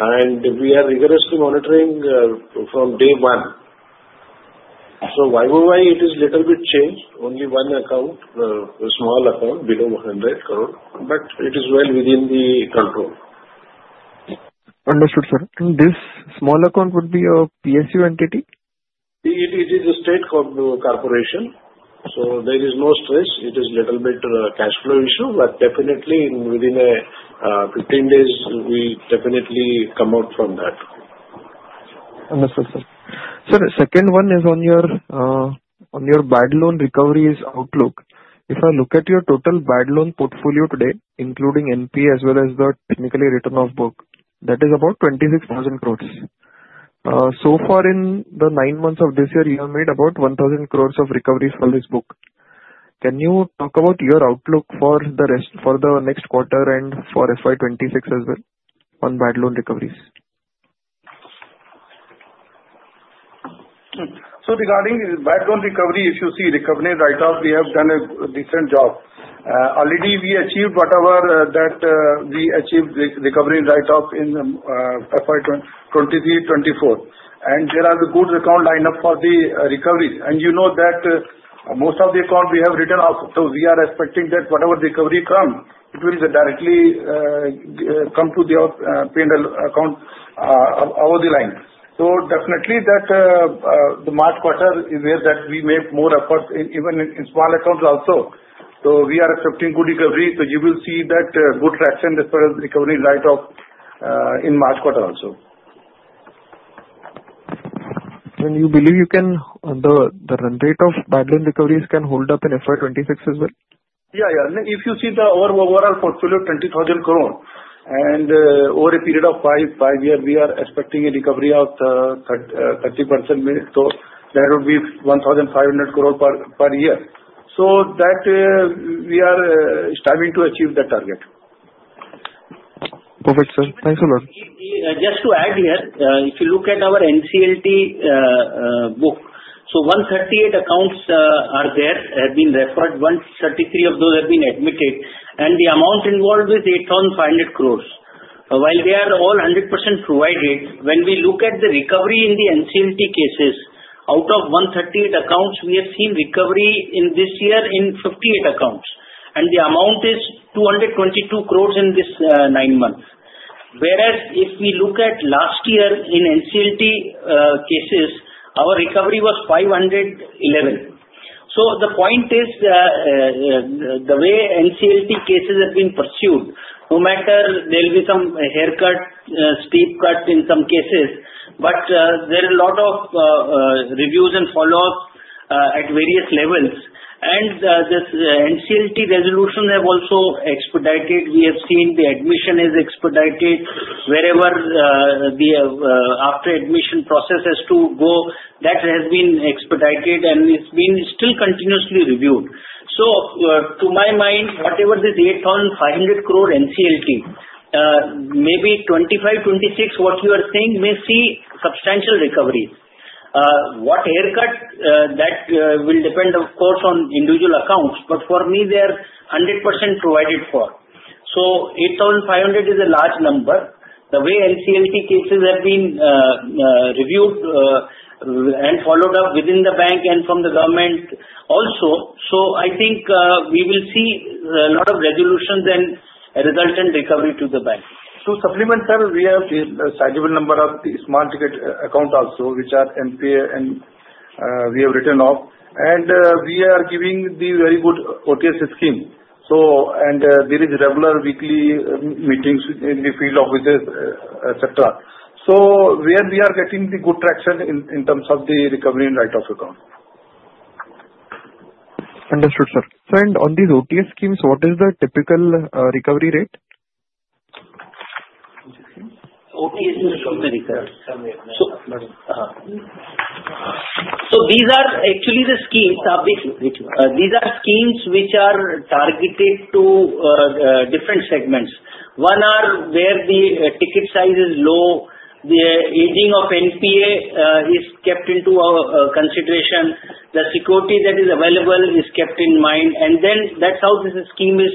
and we are rigorously monitoring from day one, so YoY, it is little bit changed, only one account, a small account below 100 crore, but it is well within the control. Understood, sir. And this small account would be a PSU entity? It is a state corporation. So there is no stress. It is a little bit cash flow issue. But definitely, within 15 days, we definitely come out from that. Understood, sir. Sir, the second one is on your bad loan recovery outlook. If I look at your total bad loan portfolio today, including NPA as well as the technically written-off book, that is about 26,000 crores. So far, in the nine months of this year, you have made about 1,000 crores of recovery for this book. Can you talk about your outlook for the next quarter and for FY26 as well on bad loan recoveries? So regarding bad loan recovery, if you see recovery write-off, we have done a decent job. Already, we achieved whatever that we achieved recovery write-off in FY 2023-24. And there are good account lineup for the recovery. And you know that most of the account we have written off. So we are expecting that whatever recovery come, it will directly come to the payable account over the line. So definitely, that the March quarter is where that we make more effort, even in small accounts also. So we are expecting good recovery. So you will see that good traction as far as recovery write-off in March quarter also. You believe the rate of bad loan recoveries can hold up in FY26 as well? Yeah, yeah. If you see the overall portfolio of 20,000 crores, and over a period of five years, we are expecting a recovery of 30%. So that would be 1,500 crores per year. So that we are striving to achieve that target. Perfect, sir. Thank you a lot. Just to add here, if you look at our NCLT book, so 138 accounts are there, have been referred. 133 of those have been admitted, and the amount involved is 8,500 crores. While they are all 100% provided, when we look at the recovery in the NCLT cases, out of 138 accounts, we have seen recovery in this year in 58 accounts, and the amount is 222 crores in this nine months. Whereas, if we look at last year in NCLT cases, our recovery was 511, so the point is the way NCLT cases have been pursued. No matter, there will be some haircut, steep cut in some cases, but there are a lot of reviews and follow-ups at various levels, and the NCLT resolutions have also expedited. We have seen the admission is expedited. Wherever the after-admission process has to go, that has been expedited, and it's been still continuously reviewed. So to my mind, whatever this 8,500 crore NCLT, maybe 2025, 2026, what you are saying may see substantial recovery. What haircut, that will depend, of course, on individual accounts. But for me, they are 100% provided for. So 8,500 is a large number. The way NCLT cases have been reviewed and followed up within the bank and from the government also. So I think we will see a lot of resolutions and resultant recovery to the bank. To supplement, sir, we have the sizable number of the small-ticket account also, which are NPA, and we have written off. And we are giving the very good OTS scheme. And there is regular weekly meetings in the field offices, etc. So where we are getting the good traction in terms of the recovery and write-off account. Understood, sir. Sir, and on these OTS schemes, what is the typical recovery rate? OTS is a company, so these are actually the schemes. These are schemes which are targeted to different segments. One are where the ticket size is low. The aging of NPA is kept into consideration. The security that is available is kept in mind, and then that's how this scheme is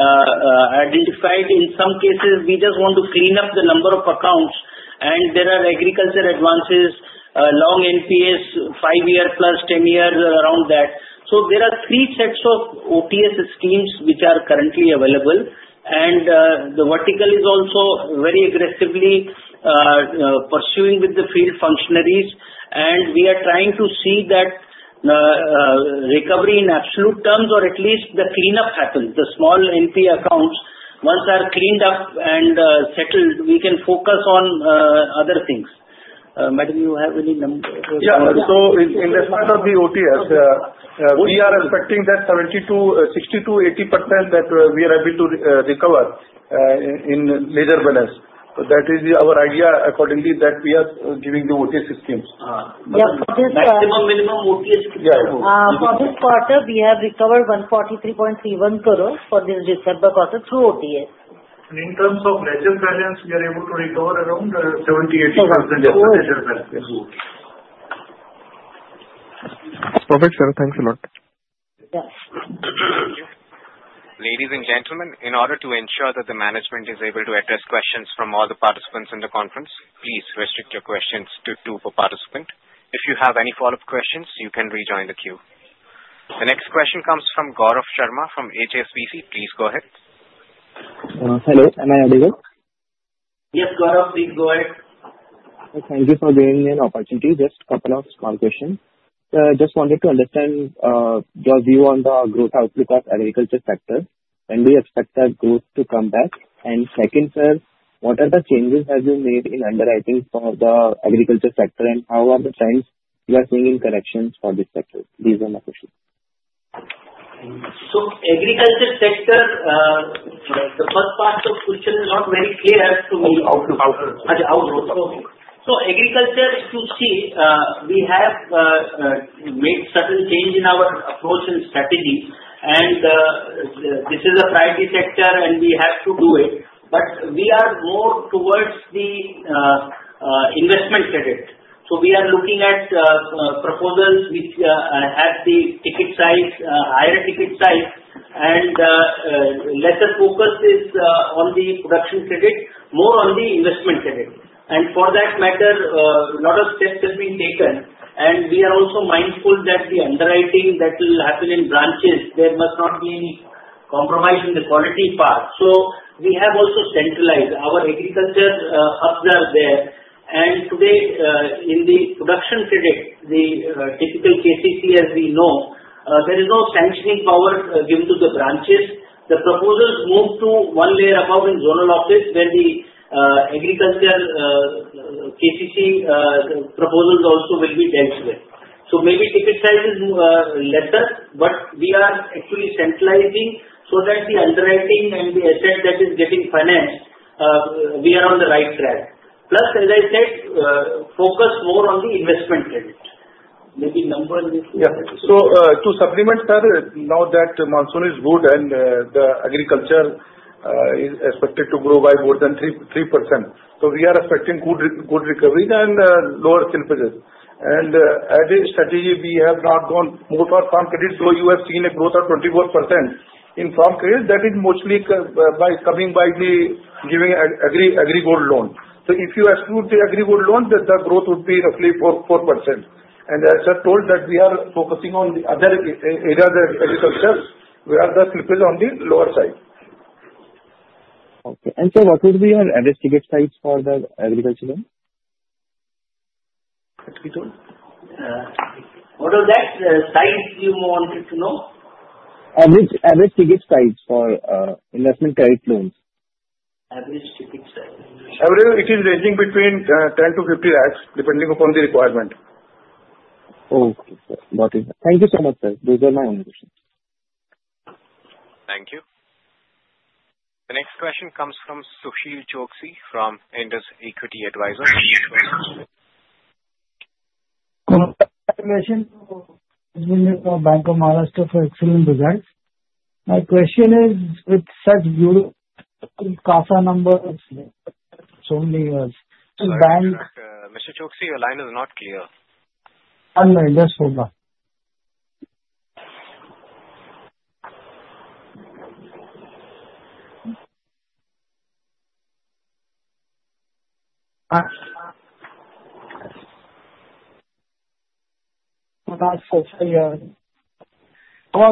identified. In some cases, we just want to clean up the number of accounts, and there are agriculture advances, long NPAs, five-year plus, 10-year around that, so there are three sets of OTS schemes which are currently available, and the vertical is also very aggressively pursuing with the field functionaries. And we are trying to see that recovery in absolute terms, or at least the cleanup happens. The small NPA accounts, once they are cleaned up and settled, we can focus on other things. Madam, you have any number? Yeah. So in the front of the OTS, we are expecting that 60%-80% that we are able to recover in ledger balance. So that is our idea, accordingly, that we are giving the OTS schemes. Yeah. Minimum OTS schemes. For this quarter, we have recovered INR 143.31 crores for this December quarter through OTS. In terms of ledger balance, we are able to recover around 70%-80% of the ledger balance. Perfect, sir. Thanks a lot. Ladies and gentlemen, in order to ensure that the management is able to address questions from all the participants in the conference, please restrict your questions to two per participant. If you have any follow-up questions, you can rejoin the queue. The next question comes from Gaurav Sharma from HSBC. Please go ahead. Hello. Am I audible? Yes, Gaurav, please go ahead. Thank you for giving me an opportunity. Just a couple of small questions. Just wanted to understand your view on the growth outlook of the agriculture sector. When do you expect that growth to come back? And second, sir, what are the changes have you made in underwriting for the agriculture sector? And how are the trends you are seeing in corrections for this sector? These are my questions. Agriculture sector, the first part of the question is not very clear to me. Outlook. Outlook. So, agriculture, if you see, we have made subtle change in our approach and strategy. And this is a priority sector, and we have to do it. But we are more towards the investment credit. So we are looking at proposals which have the ticket size, higher ticket size. And lesser focus is on the production credit, more on the investment credit. And for that matter, a lot of steps have been taken. And we are also mindful that the underwriting that will happen in branches, there must not be any compromise in the quality part. So we have also centralized. Our agriculture hubs are there. And today, in the production credit, the typical KCC, as we know, there is no sanctioning power given to the branches. The proposals move to one layer above in zonal office, where the agriculture KCC proposals also will be dealt with. So maybe ticket size is lesser, but we are actually centralizing so that the underwriting and the asset that is getting financed, we are on the right track. Plus, as I said, focus more on the investment credit. Maybe number. Yeah. So to supplement, sir, now that monsoon is good and the agriculture is expected to grow by more than 3%, so we are expecting good recovery and lower slippage. And as a strategy, we have not gone more towards farm credit, though you have seen a growth of 24% in farm credit. That is mostly by coming by the giving Agri Gold Loan. So if you exclude the Agri Gold Loan, the growth would be roughly 4%. And as I told, that we are focusing on the other agriculture, where the slippage is on the lower side. Okay. And sir, what would be your average ticket size for the agriculture loan? What did you tell? What was that? The size you wanted to know? Average ticket size for investment credit loans? Average ticket size. It is ranging between 10 lakhs-50 lakhs, depending upon the requirement. Okay. Got it. Thank you so much, sir. Those are my only questions. Thank you. The next question comes from Sushil Choksey from Indus Equity Advisors. Congratulations to the Bank of Maharashtra for excellent results. My question is, with such good CASA numbers, it's only a small bank. Mr. Choksey, your line is not clear. Oh, no. Just hold on. Oh,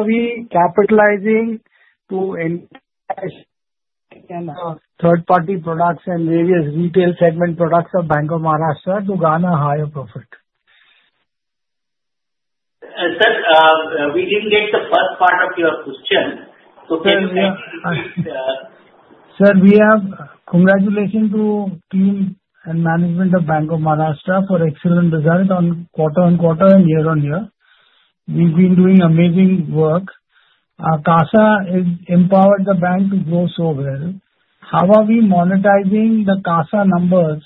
we are capitalizing to enhance third-party products and various retail segment products of Bank of Maharashtra to garner higher profit. Sir, we didn't get the first part of your question. So can you say? Sir, we have congratulations to the team and management of Bank of Maharashtra for excellent results on quarter on quarter and year on year. We've been doing amazing work. CASA has empowered the bank to grow so well. How are we monetizing the CASA numbers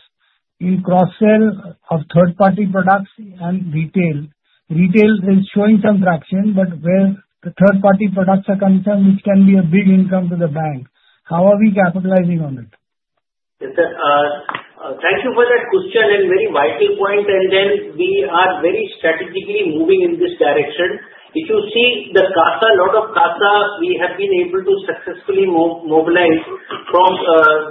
in cross-sale of third-party products and retail? Retail is showing some traction, but where the third-party products are coming from, which can be a big income to the bank. How are we capitalizing on it? Thank you for that question and very vital point, and then we are very strategically moving in this direction. If you see the CASA, a lot of CASA, we have been able to successfully mobilize from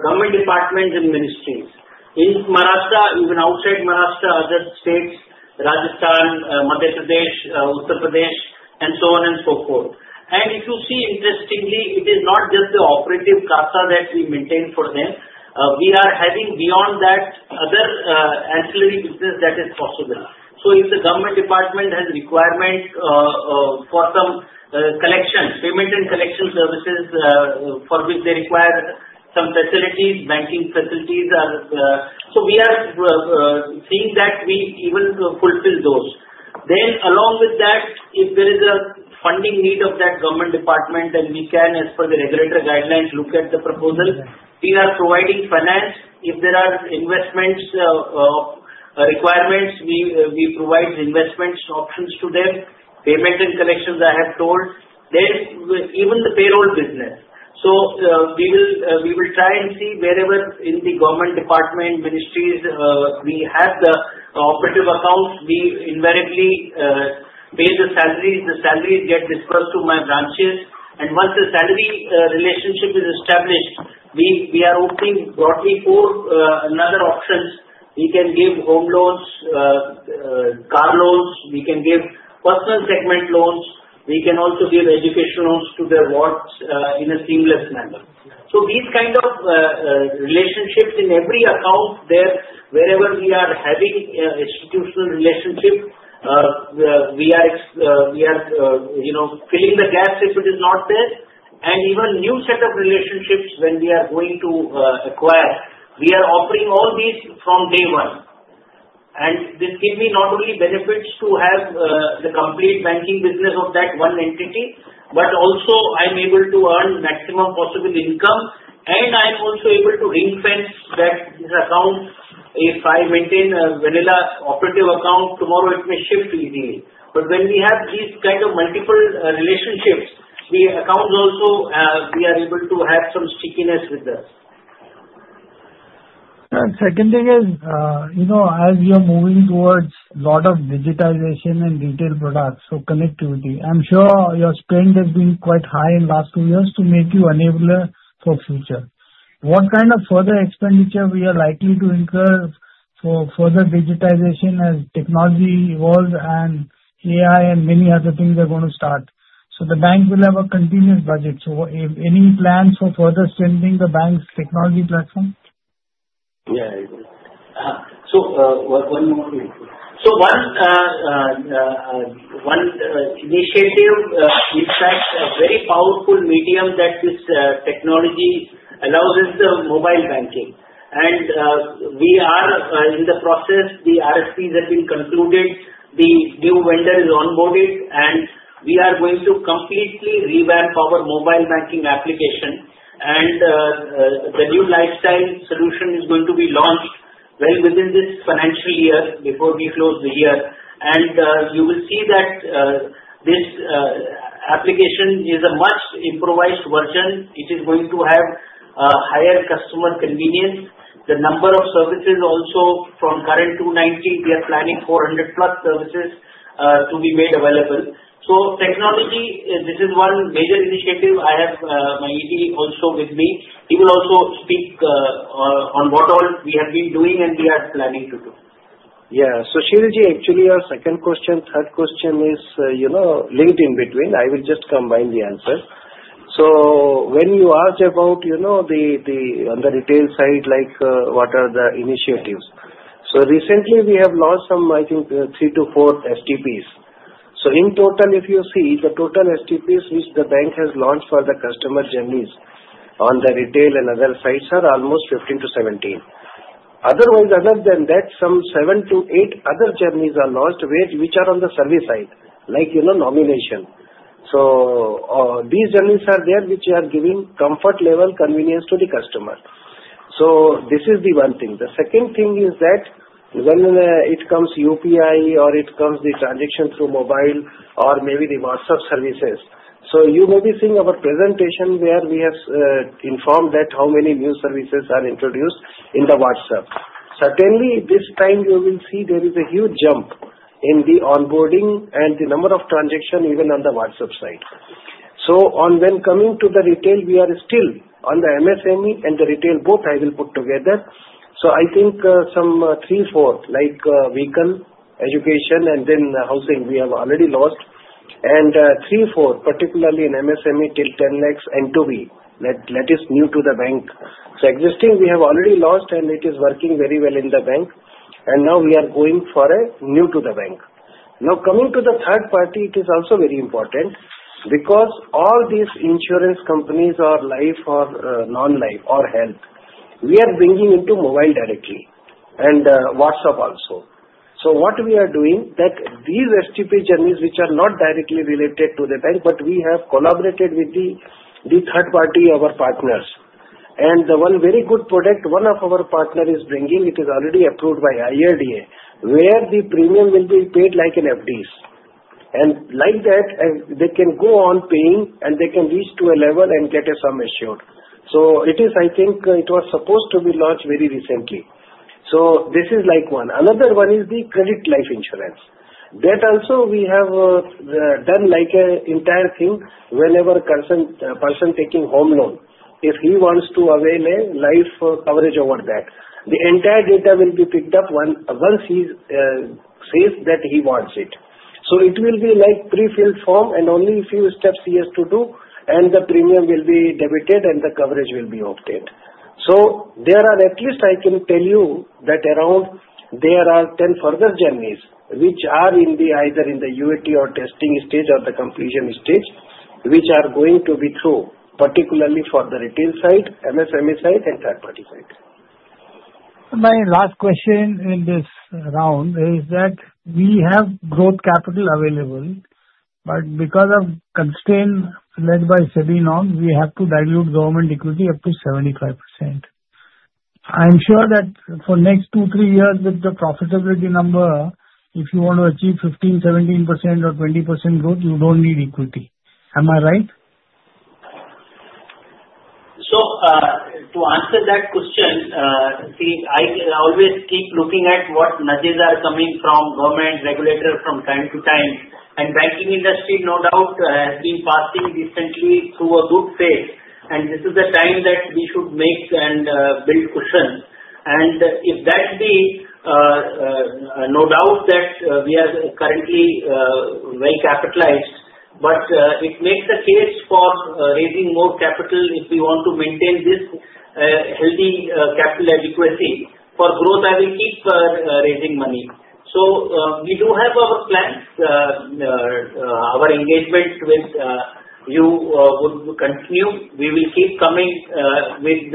government departments and ministries in Maharashtra, even outside Maharashtra, other states, Rajasthan, Madhya Pradesh, Uttar Pradesh, and so on and so forth. And if you see, interestingly, it is not just the operative CASA that we maintain for them. We are having beyond that other ancillary business that is possible, so if the government department has a requirement for some collection, payment and collection services for which they require some facilities, banking facilities, so we are seeing that we even fulfill those. Then along with that, if there is a funding need of that government department, then we can, as per the regulatory guidelines, look at the proposal. We are providing finance. If there are investment requirements, we provide investment options to them, payment and collections, I have told, then even the payroll business, so we will try and see wherever in the government department, ministries, we have the operative accounts, we invariably pay the salaries. The salaries get disbursed to my branches, and once the salary relationship is established, we are opening broadly for another options. We can give home loans, car loans. We can give personal segment loans. We can also give education loans to the wards in a seamless manner, so these kinds of relationships in every account there, wherever we are having institutional relationship, we are filling the gaps if it is not there, and even new set of relationships when we are going to acquire, we are offering all these from day one. And this gives me not only benefits to have the complete banking business of that one entity, but also I'm able to earn maximum possible income. And I'm also able to ring-fence that account. If I maintain a vanilla operative account, tomorrow it may shift easily. But when we have these kinds of multiple relationships, the accounts also, we are able to have some stickiness with them. Second thing is, as you're moving towards a lot of digitization and retail products, so connectivity. I'm sure your spend has been quite high in the last two years to make you able for the future. What kind of further expenditure are we likely to incur for further digitization as technology evolves and AI and many other things are going to start? So the bank will have a continuous budget. So any plans for further spending the bank's technology platform? Yeah. So one more thing. So one initiative, in fact, a very powerful medium that this technology allows is the mobile banking, and we are in the process. The RFPs have been concluded. The new vendor is onboarded, and we are going to completely revamp our mobile banking application, and the new lifestyle solution is going to be launched well within this financial year before we close the year, and you will see that this application is a much improved version. It is going to have a higher customer convenience. The number of services also, from current 290, we are planning 400 plus services to be made available, so technology, this is one major initiative, I have my ED also with me. He will also speak on what all we have been doing and we are planning to do. Yeah. Sushil ji, actually, our second question, third question is linked in between. I will just combine the answers. So when you asked about the retail side, like what are the initiatives, so recently we have launched some, I think, 3-4 STPs. So in total, if you see, the total STPs which the bank has launched for the customer journeys on the retail and other sites are almost 15-17. Otherwise, other than that, some 7-8 other journeys are launched which are on the service side, like nomination. So these journeys are there which are giving comfort level, convenience to the customer. So this is the one thing. The second thing is that when it comes to UPI or it comes to the transaction through mobile or maybe the WhatsApp services, so you may be seeing our presentation where we have informed that how many new services are introduced in the WhatsApp. Certainly, this time you will see there is a huge jump in the onboarding and the number of transactions even on the WhatsApp side. So when coming to the retail, we are still on the MSME and the retail both I will put together. So I think some three, four, like vehicle, education, and then housing, we have already launched. And three, four, particularly in MSME, till 10 lakhs, NTB, that is new to the bank. So existing, we have already launched, and it is working very well in the bank. And now we are going for a new to the bank. Now coming to the third party, it is also very important because all these insurance companies or life or non-life or health, we are bringing into mobile directly and WhatsApp also, so what we are doing that these STP journeys which are not directly related to the bank, but we have collaborated with the third party, our partners, and the one very good product one of our partners is bringing. It is already approved by IRDA, where the premium will be paid like an FDs, and like that, they can go on paying, and they can reach to a level and get a sum assured, so it is, I think, it was supposed to be launched very recently, so this is like one. Another one is the credit life insurance. That also we have done like an entire thing whenever a person taking home loan, if he wants to avail a life coverage over that. The entire data will be picked up once he says that he wants it. So it will be like pre-filled form, and only a few steps he has to do, and the premium will be debited, and the coverage will be obtained. So there are at least, I can tell you that around there are 10 further journeys which are either in the UAT or testing stage or the completion stage which are going to be through, particularly for the retail side, MSME side, and third-party side. My last question in this round is that we have growth capital available, but because of constraints led by SEBI norms, we have to dilute government equity up to 75%. I'm sure that for the next two, three years with the profitability number, if you want to achieve 15%, 17% or 20% growth, you don't need equity. Am I right? So to answer that question, see, I always keep looking at what nudges are coming from government, regulator from time to time. The banking industry, no doubt, has been passing decently through a good phase. This is the time that we should make and build cushion. If that be, no doubt that we are currently well capitalized. But it makes a case for raising more capital if we want to maintain this healthy capital adequacy. For growth, I will keep raising money. So we do have our plans. Our engagement with you would continue. We will keep coming with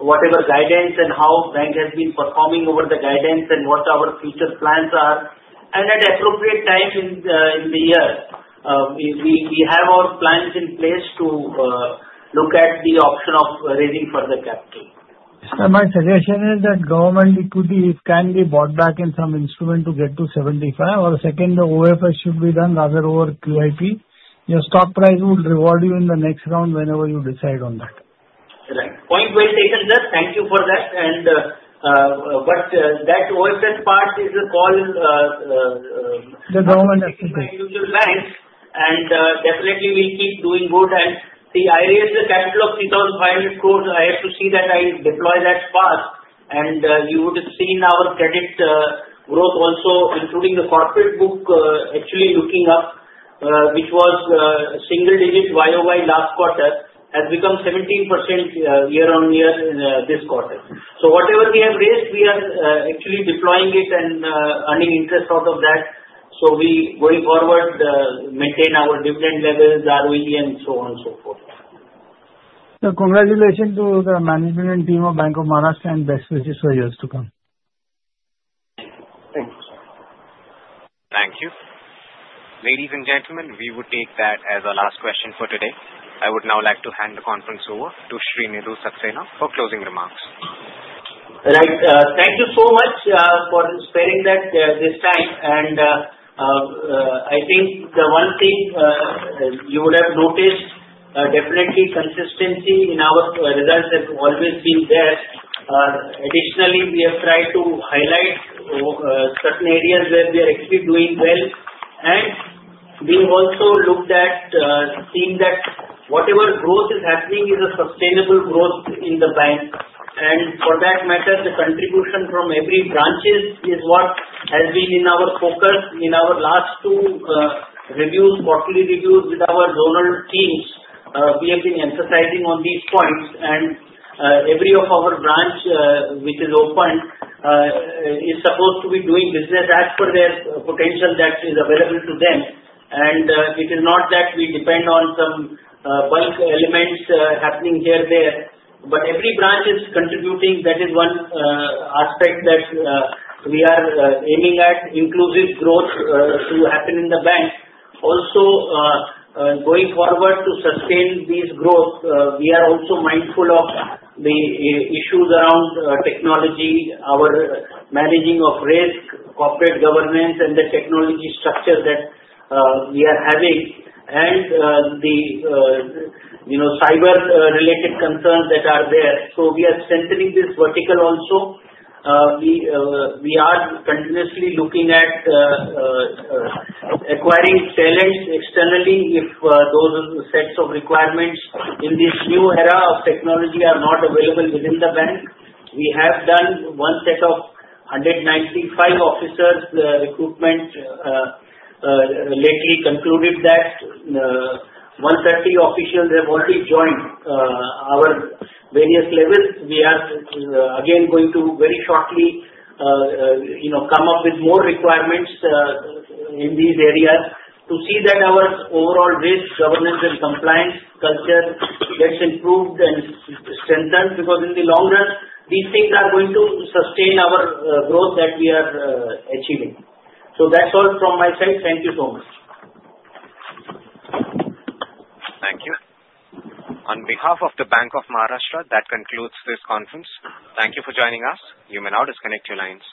whatever guidance and how the bank has been performing over the guidance and what our future plans are. At appropriate time in the year, we have our plans in place to look at the option of raising further capital. Sir, my suggestion is that government equity can be bought back in some instrument to get to 75, or second, the OFS should be done rather over QIP. Your stock price will reward you in the next round whenever you decide on that. Right. Point well taken, sir. Thank you for that, and that OFS part is a call. The government has to pay. The usual banks. Definitely, we'll keep doing good. See, I raised the capital of 3,500 crores. I have to see that I deploy that fast. You would have seen our credit growth also, including the corporate book, actually looking up, which was single-digit YoY last quarter, has become 17% year on year this quarter. So whatever we have raised, we are actually deploying it and earning interest out of that. So we going forward, maintain our dividend levels, ROE, and so on and so forth. Sir, congratulations to the management and team of Bank of Maharashtra and best wishes for years to come. Thank you, sir. Thank you. Ladies and gentlemen, we would take that as our last question for today. I would now like to hand the conference over to Shri Nidhu Saxena for closing remarks. Right. Thank you so much for sparing that this time. And I think the one thing you would have noticed, definitely consistency in our results has always been there. Additionally, we have tried to highlight certain areas where we are actually doing well. And we also looked at seeing that whatever growth is happening is a sustainable growth in the bank. And for that matter, the contribution from every branch is what has been in our focus in our last two reviews, quarterly reviews with our zonal teams. We have been emphasizing on these points. And every of our branch which is open is supposed to be doing business as per their potential that is available to them. And it is not that we depend on some bulk elements happening here and there. But every branch is contributing. That is one aspect that we are aiming at, inclusive growth to happen in the bank. Also, going forward to sustain this growth, we are also mindful of the issues around technology, our managing of risk, corporate governance, and the technology structure that we are having, and the cyber-related concerns that are there. So we are strengthening this vertical also. We are continuously looking at acquiring talents externally if those sets of requirements in this new era of technology are not available within the bank. We have done one set of 195 officers recruitment. Lately concluded that 130 officials have already joined our various levels. We are again going to very shortly come up with more requirements in these areas to see that our overall risk governance and compliance culture gets improved and strengthened because in the long run, these things are going to sustain our growth that we are achieving. So that's all from my side. Thank you so much. Thank you. On behalf of the Bank of Maharashtra, that concludes this conference. Thank you for joining us. You may now disconnect your lines.